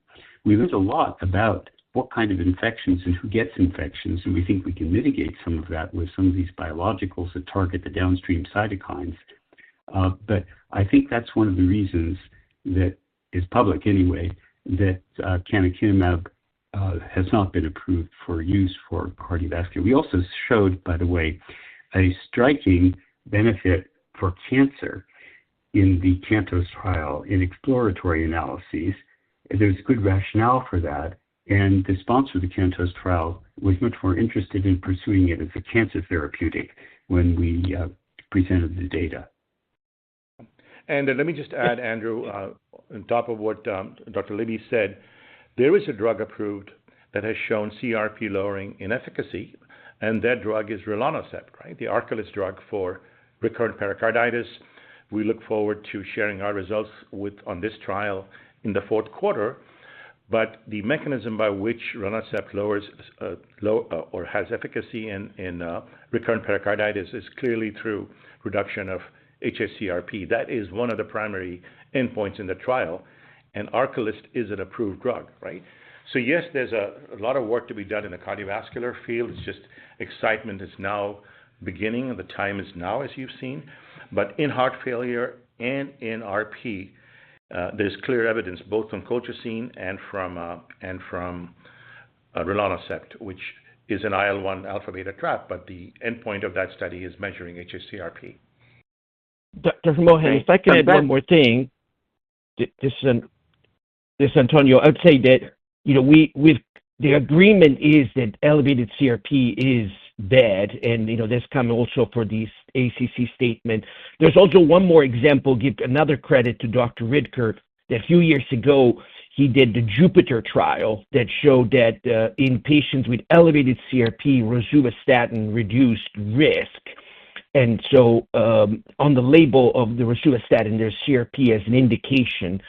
We learned a lot about what kind of infections and who gets infections, and we think we can mitigate some of that with some of these biologicals that target the downstream cytokines. I think that's one of the reasons that is public anyway that canakinumab has not been approved for use for cardiovascular. We also showed, by the way, a striking benefit for cancer in the CANTOS trial in exploratory analyses. There's good rationale for that, and the sponsor of the CANTOS trial was much more interested in pursuing it as a cancer therapeutic when we presented the data. Let me just add, Andrew, on top of what Dr. Libby said, there is a drug approved that has shown CRP lowering in efficacy, and that drug is rilonacept, right? The Arcalyst drug for recurrent pericarditis. We look forward to sharing our results on this trial in the fourth quarter. The mechanism by which rilonacept lowers or has efficacy in recurrent pericarditis is clearly through reduction of high-sensitivity C-reactive protein (hsCRP). That is one of the primary endpoints in the trial, and rilonacept is an approved drug, right? There is a lot of work to be done in the cardiovascular field. Excitement is now beginning, and the time is now, as you've seen. In heart failure and in recurrent pericarditis, there is clear evidence both from colchicine and from rilonacept, which is an IL-1αβ trap, but the endpoint of that study is measuring hsCRP. Dr. Mohan, if I can add one more thing, this is Antonio. I would say that the agreement is that elevated CRP is bad, and you know that's coming also for this ACC statement. There's also one more example. Give another credit to Dr. Ridker that a few years ago, he did the JUPITER trial that showed that in patients with elevated CRP, rosuvastatin reduced risk. On the label of the rosuvastatin, there's CRP as an indication.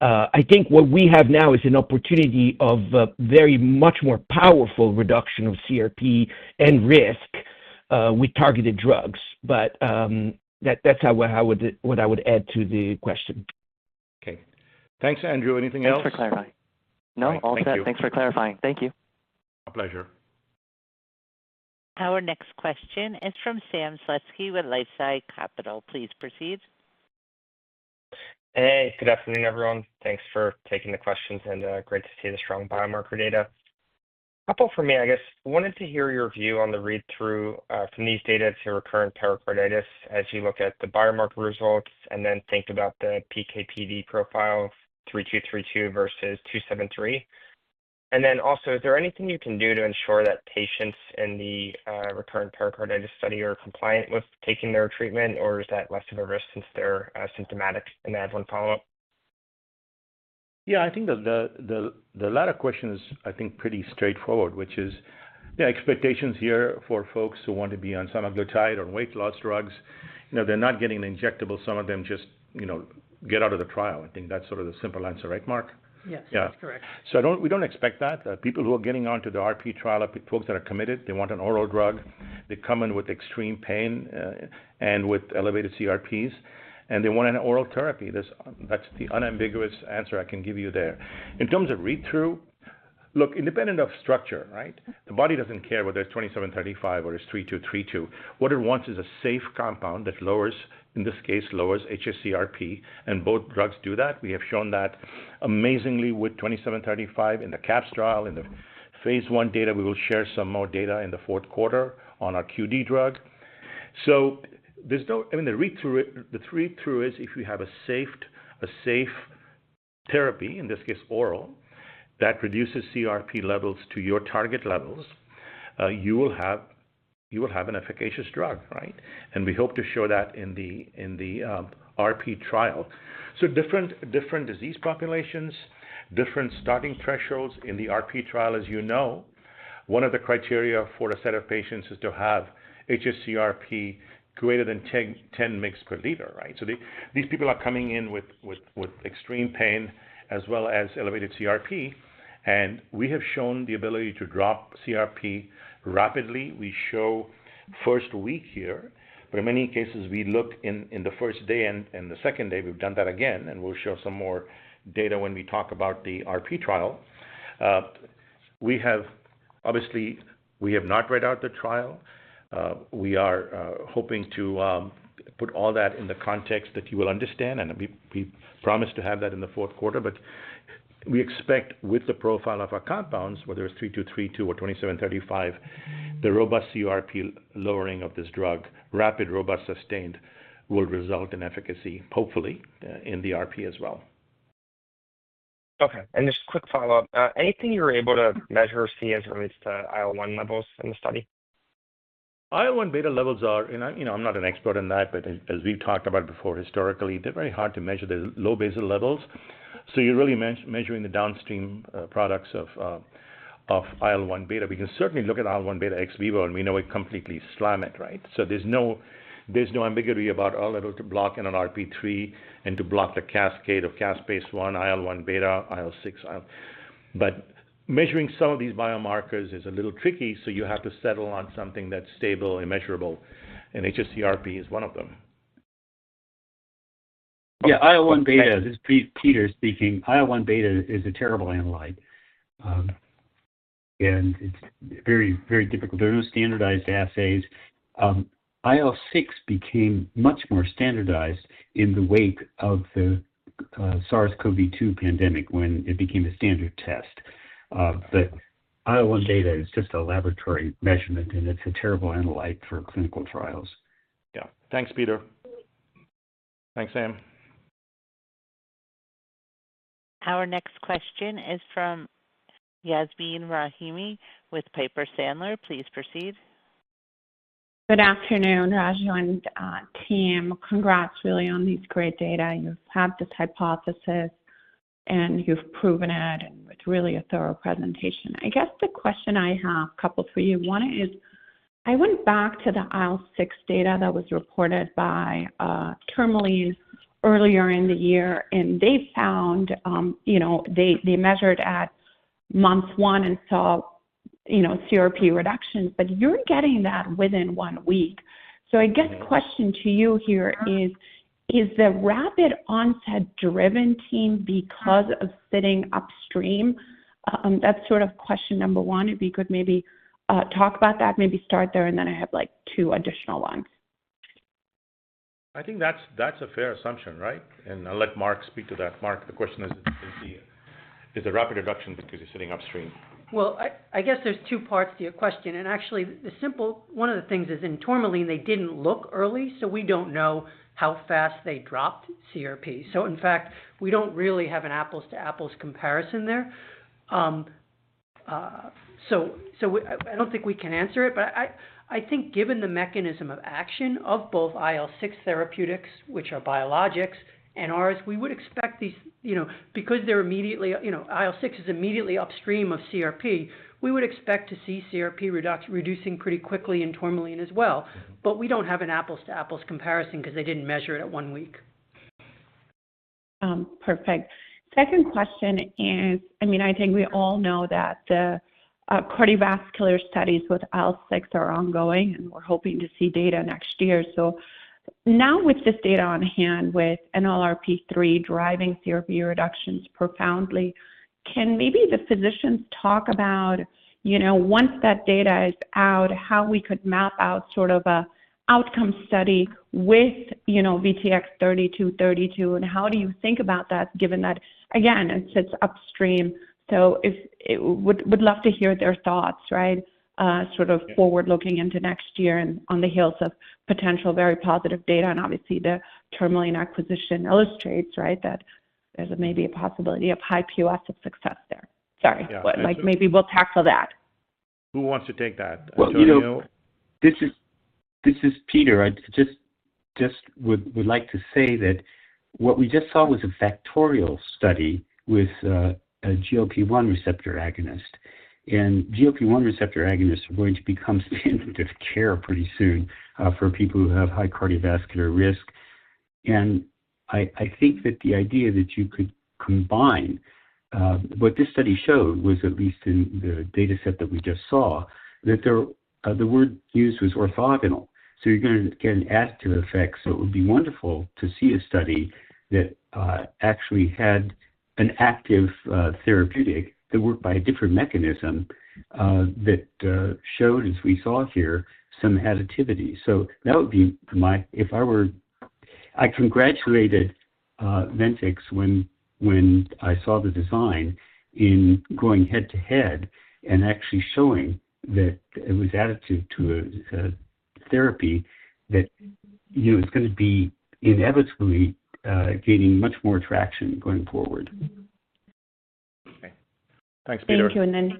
I think what we have now is an opportunity of a very much more powerful reduction of CRP and risk with targeted drugs. That's what I would add to the question. Okay. Thanks, Andrew. Anything else? Thanks for clarifying. No, all set. Thank you. My pleasure. Our next question is from Sam Slutsky with LifeSci Capital. Please proceed. Hey, good afternoon, everyone. Thanks for taking the questions, and great to see the strong biomarker data. For me, I guess, I wanted to hear your view on the read-through from these data to recurrent pericarditis as you look at the biomarker results and then think about the PKPD profile, VTX3232 versus VTX2735. Also, is there anything you can do to ensure that patients in the recurrent pericarditis study are compliant with taking their treatment, or is that less of a risk since they're symptomatic? I have one follow-up. Yeah, I think the latter question is, I think, pretty straightforward, which is, yeah, expectations here for folks who want to be on semaglutide or weight loss drugs. You know, they're not getting an injectable. Some of them just get out of the trial. I think that's sort of the simple answer, right, Mark? Yes, that's correct. We don't expect that. People who are getting onto the RP trial, folks that are committed, they want an oral drug. They come in with extreme pain and with elevated CRPs, and they want an oral therapy. That's the unambiguous answer I can give you there. In terms of read-through, look, independent of structure, right, the body doesn't care whether it's VTX2735 or it's VTX3232. What it wants is a safe compound that lowers, in this case, lowers hsCRP, and both drugs do that. We have shown that amazingly with VTX2735 in the CAPS trial and the phase I data. We will share some more data in the fourth quarter on our QD drug. The read-through is if you have a safe therapy, in this case, oral, that reduces CRP levels to your target levels, you will have an efficacious drug, right? We hope to show that in the RP trial. Different disease populations, different starting thresholds in the RP trial, as you know, one of the criteria for a set of patients is to have hsCRP greater than 10 mg/L, right? These people are coming in with extreme pain as well as elevated CRP, and we have shown the ability to drop CRP rapidly. We show first week here, but in many cases, we look in the first day and the second day. We've done that again, and we'll show some more data when we talk about the RP trial. Obviously, we have not read out the trial. We are hoping to put all that in the context that you will understand, and we promise to have that in the fourth quarter. We expect with the profile of our compounds, whether it's VTX3232 or VTX2735, the robust CRP lowering of this drug, rapid, robust, sustained, will result in efficacy, hopefully, in the RP as well. Okay. Just a quick follow-up. Anything you were able to measure or see as it relates to IL-1 levels in the study? IL-1β levels are, and I'm not an expert in that, but as we've talked about before, historically, they're very hard to measure. They're low basal levels. You're really measuring the downstream products of IL-1β. We can certainly look at IL-1β ex vivo and we know it completely slams it, right? There's no ambiguity about our level to block NLRP3 and to block the cascade of Caspase-1, IL-1β, IL-6. Measuring some of these biomarkers is a little tricky, so you have to settle on something that's stable and measurable, and high-sensitivity C-reactive protein (hsCRP) is one of them. Yeah, IL-1β, as Peter is speaking, IL-1β is a terrible analyte, and it's very, very difficult. There are no standardized assays. IL-6 became much more standardized in the wake of the SARS-CoV-2 pandemic when it became a standard test. IL-1β is just a laboratory measurement, and it's a terrible analyte for clinical trials. Yeah. Thanks, Peter. Thanks, Sam. Our next question is from Yasmeen Rahimi with Piper Sandler. Please proceed. Good afternoon, Raju and team. Congrats, really, on these great data. You have this hypothesis, and you've proven it with really a thorough presentation. I guess the question, I have a couple for you. One is, I went back to the IL-6 data that was reported by Tourmaline earlier in the year, and they found, you know, they measured at month one and saw, you know, CRP reductions, but you're getting that within one week. I guess the question to you here is, is the rapid onset driven team because of sitting upstream? That's sort of question number one. If you could maybe talk about that, maybe start there, and then I have like two additional ones. I think that's a fair assumption, right? I'll let Mark speak to that. Mark, the question is, is the rapid reduction because you're sitting upstream? There are two parts to your question. One of the things is in Tourmaline, they didn't look early, so we don't know how fast they dropped CRP. In fact, we don't really have an apples-to-apples comparison there. I don't think we can answer it, but I think given the mechanism of action of both IL-6 therapeutics, which are biologics, and ours, we would expect these, you know, because they're immediately, you know, IL-6 is immediately upstream of CRP, we would expect to see CRP reducing pretty quickly in Tourmaline as well. We don't have an apples-to-apples comparison because they didn't measure it at one week. Perfect. Second question is, I mean, I think we all know that the cardiovascular studies with IL-6 are ongoing, and we're hoping to see data next year. Now with this data on hand with NLRP3 driving CRP reductions profoundly, can maybe the physicians talk about, you know, once that data is out, how we could map out sort of an outcome study with, you know, VTX3232? How do you think about that given that, again, it sits upstream? We'd love to hear their thoughts, right, sort of forward-looking into next year and on the heels of potential very positive data. Obviously, the Tourmaline acquisition illustrates, right, that there's maybe a possibility of high POS of success there. Sorry. Like maybe we'll tackle that. Who wants to take that? This is Peter. I just would like to say that what we just saw was a factorial study with a GLP-1 receptor agonist. GLP-1 receptor agonists are going to become standard of care pretty soon for people who have high cardiovascular risk. I think that the idea that you could combine what this study showed was at least in the dataset that we just saw, that the word used was orthogonal. You're going to get an additive effect. It would be wonderful to see a study that actually had an active therapeutic that worked by a different mechanism that showed, as we saw here, some additivity. That would be my if I were I congratulated Ventyx when I saw the design in going head-to-head and actually showing that it was additive to a therapy that, you know, is going to be inevitably gaining much more traction going forward. Okay. Thanks, Peter. Thank you.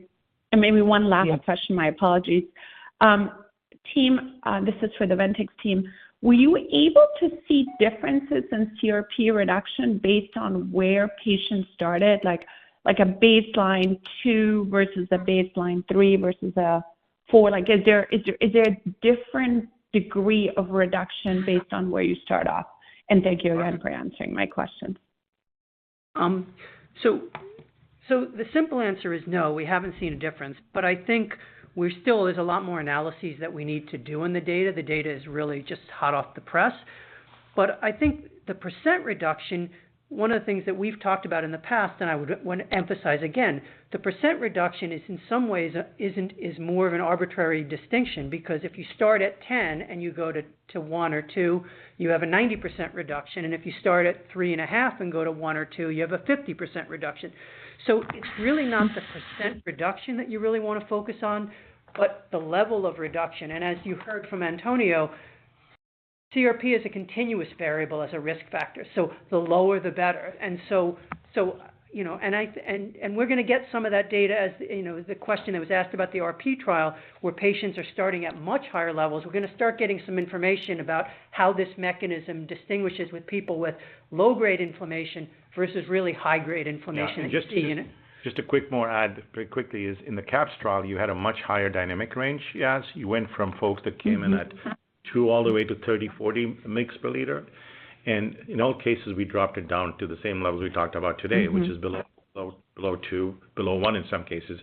Maybe one last question. My apologies. Team, this is for the Ventyx team. Were you able to see differences in CRP reduction based on where patients started, like a baseline 2 versus a baseline 3 versus a 4? Is there a different degree of reduction based on where you start off? Thank you again for answering my question. The simple answer is no, we haven't seen a difference. I think there's a lot more analyses that we need to do on the data. The data is really just hot off the press. I think the percent reduction, one of the things that we've talked about in the past, and I would want to emphasize again, the percent reduction is in some ways more of an arbitrary distinction because if you start at 10 and you go to 1 or 2, you have a 90% reduction. If you start at 3.5 and go to 1 or 2, you have a 50% reduction. It's really not the % reduction that you really want to focus on, but the level of reduction. As you heard from Antonio, CRP is a continuous variable as a risk factor. The lower, the better. We're going to get some of that data as the question that was asked about the RP trial where patients are starting at much higher levels. We're going to start getting some information about how this mechanism distinguishes with people with low-grade inflammation versus really high-grade inflammation. A quick more add pretty quickly is in the CAPS trial, you had a much higher dynamic range, yes. You went from folks that came in at 2 all the way to 30-40 mg/L. In all cases, we dropped it down to the same levels we talked about today, which is below 2, below 1 in some cases.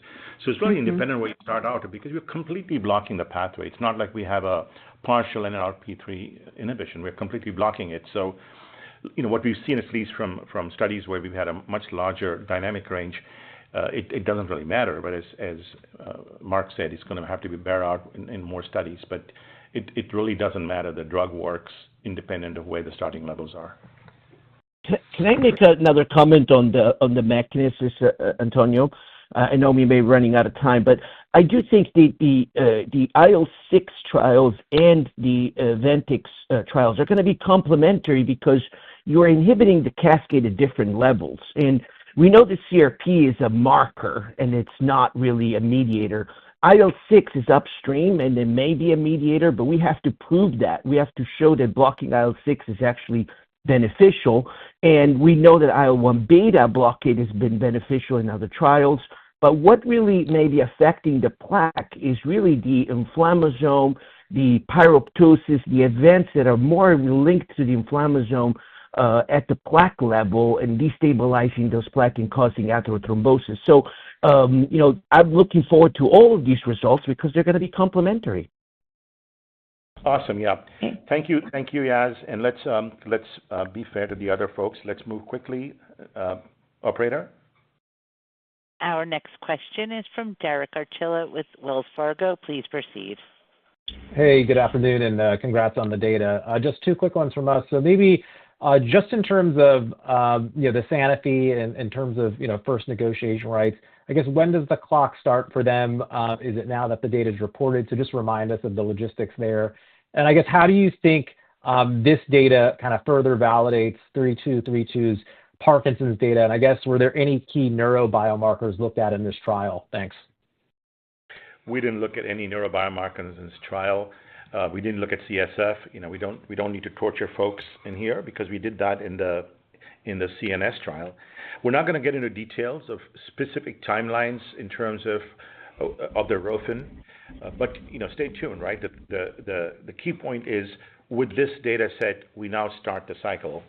It is really independent of where you start out because you're completely blocking the pathway. It's not like we have a partial NLRP3 inhibition. We're completely blocking it. What we've seen, at least from studies where we've had a much larger dynamic range, it doesn't really matter. As Mark said, it's going to have to be barred out in more studies. It really doesn't matter. The drug works independent of where the starting levels are. Can I make another comment on the mechanisms, Antonio? I know we may be running out of time, but I do think the IL-6 trials and the Ventyx trials are going to be complementary because you're inhibiting the cascade at different levels. We know the CRP is a marker, and it's not really a mediator. IL-6 is upstream, and it may be a mediator, but we have to prove that. We have to show that blocking IL-6 is actually beneficial. We know that IL-1β blockade has been beneficial in other trials. What really may be affecting the plaque is really the inflammasome, the pyroptosis, the events that are more linked to the inflammasome at the plaque level and destabilizing those plaques and causing atherosclerosis. I'm looking forward to all of these results because they're going to be complementary. Awesome. Thank you, Yas. Let's be fair to the other folks. Let's move quickly. Operator. Our next question is from Derek Archila with Wells Fargo. Please proceed. Hey, good afternoon, and congrats on the data. Just two quick ones from us. In terms of the Sanofi and in terms of first negotiation rights, I guess when does the clock start for them? Is it now that the data is reported? Just remind us of the logistics there. How do you think this data kind of further validates 3232's Parkinson's data? Were there any key neurobiomarkers looked at in this trial? Thanks. We didn't look at any neurobiomarkers in this trial. We didn't look at CSF. You know, we don't need to torture folks in here because we did that in the CNS trial. We're not going to get into details of specific timelines in terms of the ROSEN. Stay tuned, right? The key point is, with this data set, we now start the cycle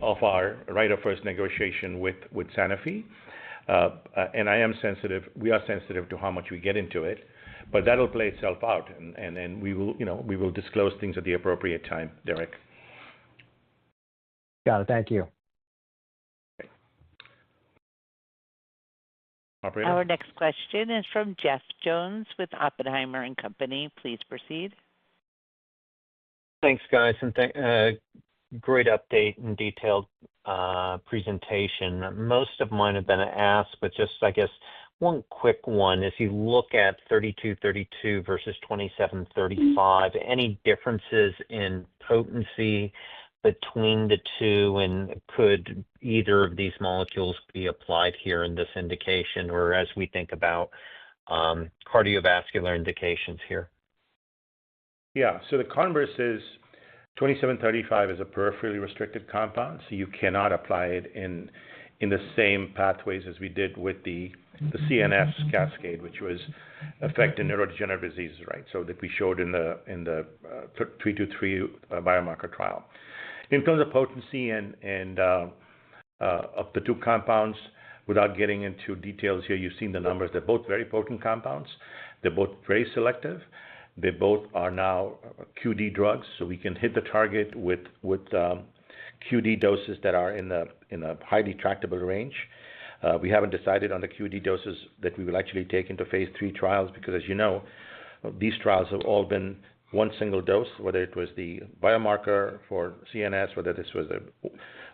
of our right of first negotiation with Sanofi. I am sensitive, we are sensitive to how much we get into it, but that'll play itself out, and we will disclose things at the appropriate time, Derek? Got it, thank you. Operator? Our next question is from Jeff Jones with Oppenheimer & Company. Please proceed. Thanks, guys, and great update and detailed presentation. Most of mine have been asked, but just, I guess, one quick one. As you look at VTX3232 versus VTX2735, any differences in potency between the two, and could either of these molecules be applied here in this indication or as we think about cardiovascular indications here? Yeah, so the converse is 2735 is a peripherally restricted compound, so you cannot apply it in the same pathways as we did with the CNS cascade, which was affecting neurodegenerative diseases, right? That we showed in the 3232 biomarker trial. In terms of potency and of the two compounds, without getting into details here, you've seen the numbers. They're both very potent compounds. They're both very selective. They both are now QD drugs, so we can hit the target with QD doses that are in a highly tractable range. We haven't decided on the QD doses that we will actually take into phase III trials because, as you know, these trials have all been one single dose, whether it was the biomarker for CNS, whether this was an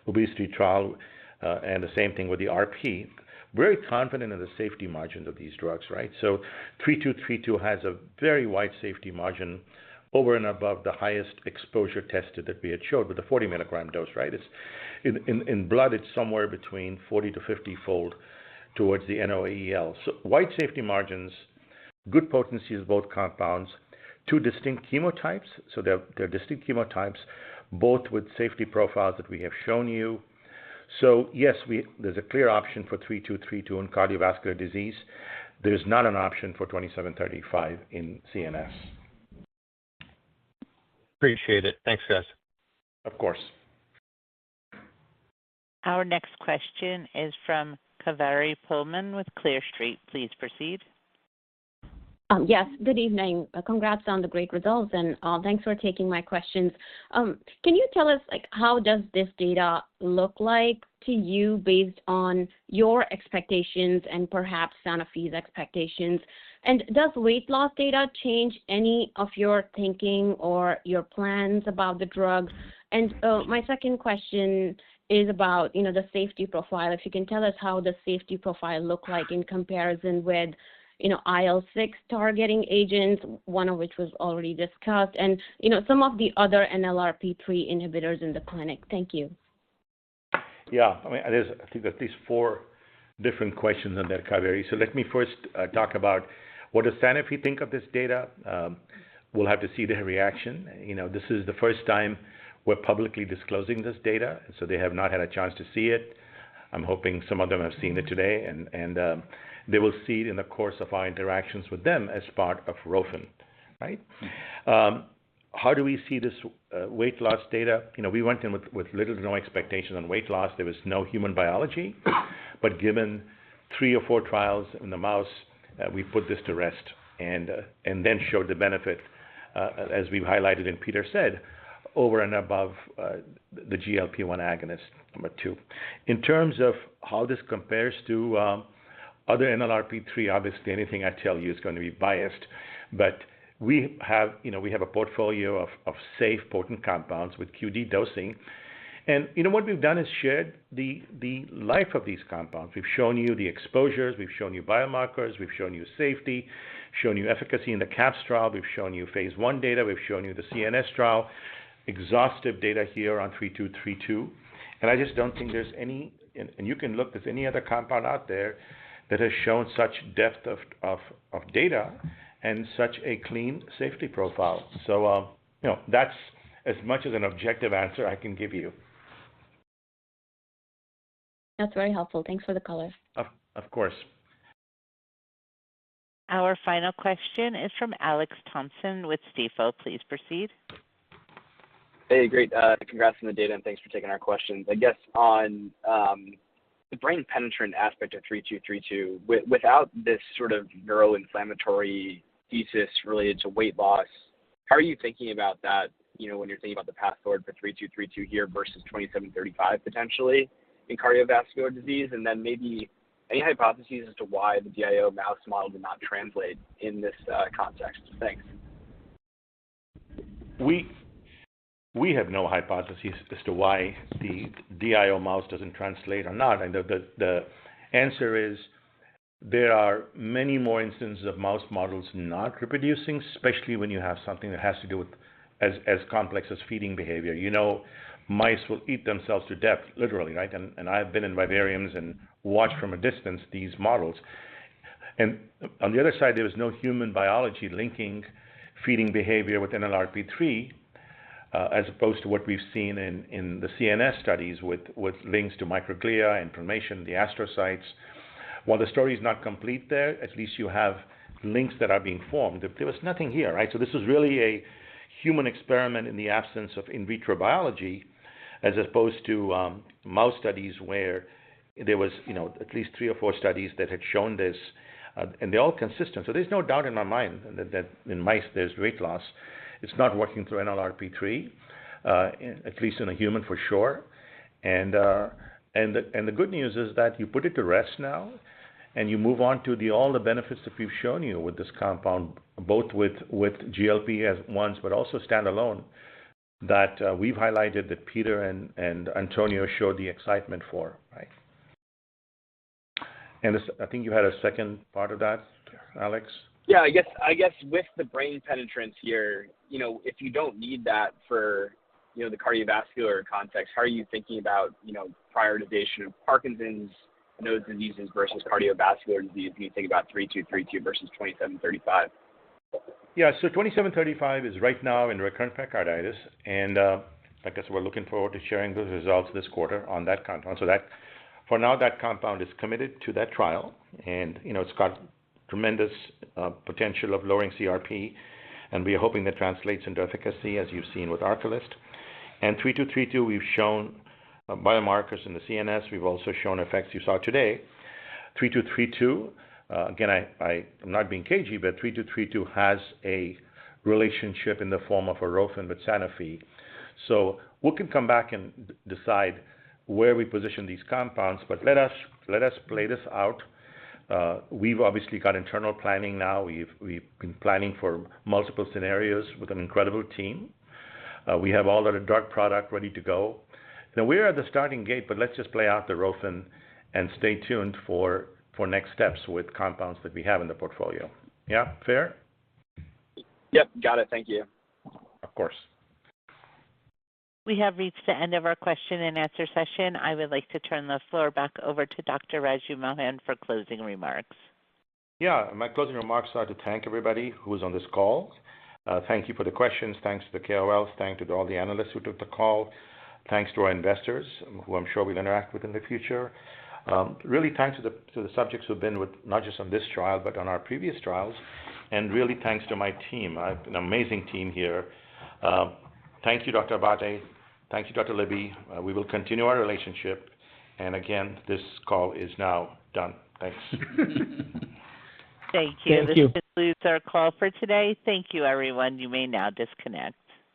obesity trial, and the same thing with the RP. We're very confident in the safety margins of these drugs, right? 3232 has a very wide safety margin over and above the highest exposure tested that we had showed with the 40 mg dose, right? In blood, it's somewhere between 40-50 fold towards the NOEL. Wide safety margins, good potencies of both compounds, two distinct chemotypes, so they're distinct chemotypes, both with safety profiles that we have shown you. Yes, there's a clear option for 3232 in cardiovascular disease. There's not an option for 2735 in CNS. Appreciate it. Thanks, guys. Of course. Our next question is from Kaveri Pohlman with Clear Street. Please proceed. Yes, good evening. Congrats on the great results and thanks for taking my questions. Can you tell us how does this data look like to you based on your expectations and perhaps Sanofi's expectations? Does weight loss data change any of your thinking or your plans about the drug? My second question is about the safety profile. If you can tell us how the safety profile looks like in comparison with IL-6 targeting agents, one of which was already discussed, and some of the other NLRP3 inhibitors in the clinic. Thank you. Yeah, I mean, I think there's at least four different questions on that, Kaveri. Let me first talk about what does Sanofi think of this data. We'll have to see their reaction. This is the first time we're publicly disclosing this data, and so they have not had a chance to see it. I'm hoping some of them have seen it today, and they will see it in the course of our interactions with them as part of ROFIN, right? How do we see this weight loss data? We went in with little to no expectations on weight loss. There was no human biology, but given three or four trials in the mouse, we put this to rest and then showed the benefit, as we've highlighted and Peter said, over and above the GLP-1 receptor agonist, number two. In terms of how this compares to other NLRP3, obviously anything I tell you is going to be biased, but we have a portfolio of safe, potent compounds with QD dosing. What we've done is shared the life of these compounds. We've shown you the exposures, we've shown you biomarkers, we've shown you safety, shown you efficacy in the CAPS trial, we've shown you phase I data, we've shown you the CNS trial, exhaustive data here on VTX3232. I just don't think there's any, and you can look, there's any other compound out there that has shown such depth of data and such a clean safety profile. That's as much as an objective answer I can give you. That's very helpful. Thanks for the color. Of course. Our final question is from Alex Thompson with Stifel. Please proceed. Hey, great. Congrats on the data and thanks for taking our questions. I guess on the brain penetrant aspect of VTX3232, without this sort of neuroinflammatory thesis related to weight loss, how are you thinking about that, you know, when you're thinking about the path forward for VTX3232 here versus VTX2735, potentially, in cardiovascular disease? Maybe any hypotheses as to why the DIO mouse model did not translate in this context. Thanks. We have no hypotheses as to why the DIO mouse doesn't translate or not. The answer is there are many more instances of mouse models not reproducing, especially when you have something that has to do with as complex as feeding behavior. You know, mice will eat themselves to death, literally, right? I have been in vivariums and watched from a distance these models. On the other side, there was no human biology linking feeding behavior with NLRP3 as opposed to what we've seen in the CNS studies with links to microglia, inflammation, the astrocytes. While the story is not complete there, at least you have links that are being formed. There was nothing here, right? This was really a human experiment in the absence of in vitro biology as opposed to mouse studies where there was at least three or four studies that had shown this, and they're all consistent. There is no doubt in my mind that in mice there's weight loss. It's not working through NLRP3, at least in a human for sure. The good news is that you put it to rest now, and you move on to all the benefits that we've shown you with this compound, both with GLP as ones, but also standalone that we've highlighted that Peter and Antonio showed the excitement for, right? I think you had a second part of that, Alex? Yeah, I guess with the brain penetrance here, if you don't need that for the cardiovascular context, how are you thinking about prioritization of Parkinson's node diseases versus cardiovascular disease when you think about VTX3232 versus VTX2735? Yeah, so VTX2735 is right now in recurrent pericarditis, and I guess we're looking forward to sharing those results this quarter on that compound. For now, that compound is committed to that trial, and, you know, it's got tremendous potential of lowering CRP, and we are hoping that translates into efficacy, as you've seen with ARKLIST. VTX3232, we've shown biomarkers in the CNS, we've also shown effects you saw today. VTX3232, again, I'm not being cagey, but VTX3232 has a relationship in the form of a right of first negotiation agreement with Sanofi. We can come back and decide where we position these compounds, but let us play this out. We've obviously got internal planning now. We've been planning for multiple scenarios with an incredible team. We have all the drug product ready to go. We're at the starting gate, but let's just play out the right of first negotiation agreement and stay tuned for next steps with compounds that we have in the portfolio. Yeah, fair? Yep, got it. Thank you. Of course. We have reached the end of our question and answer session. I would like to turn the floor back over to Dr. Raju Mohan for closing remarks. Yeah, my closing remarks are to thank everybody who was on this call. Thank you for the questions, thanks to the KOLs, thanks to all the analysts who took the call, thanks to our investors, who I'm sure we'll interact with in the future. Really, thanks to the subjects who've been with not just on this trial, but on our previous trials, and really thanks to my team. I have an amazing team here. Thank you, Dr. Abbate. Thank you, Dr. Libby. We will continue our relationship, and again, this call is now done. Thanks. Thank you. Thank you. This concludes our call for today. Thank you, everyone. You may now disconnect.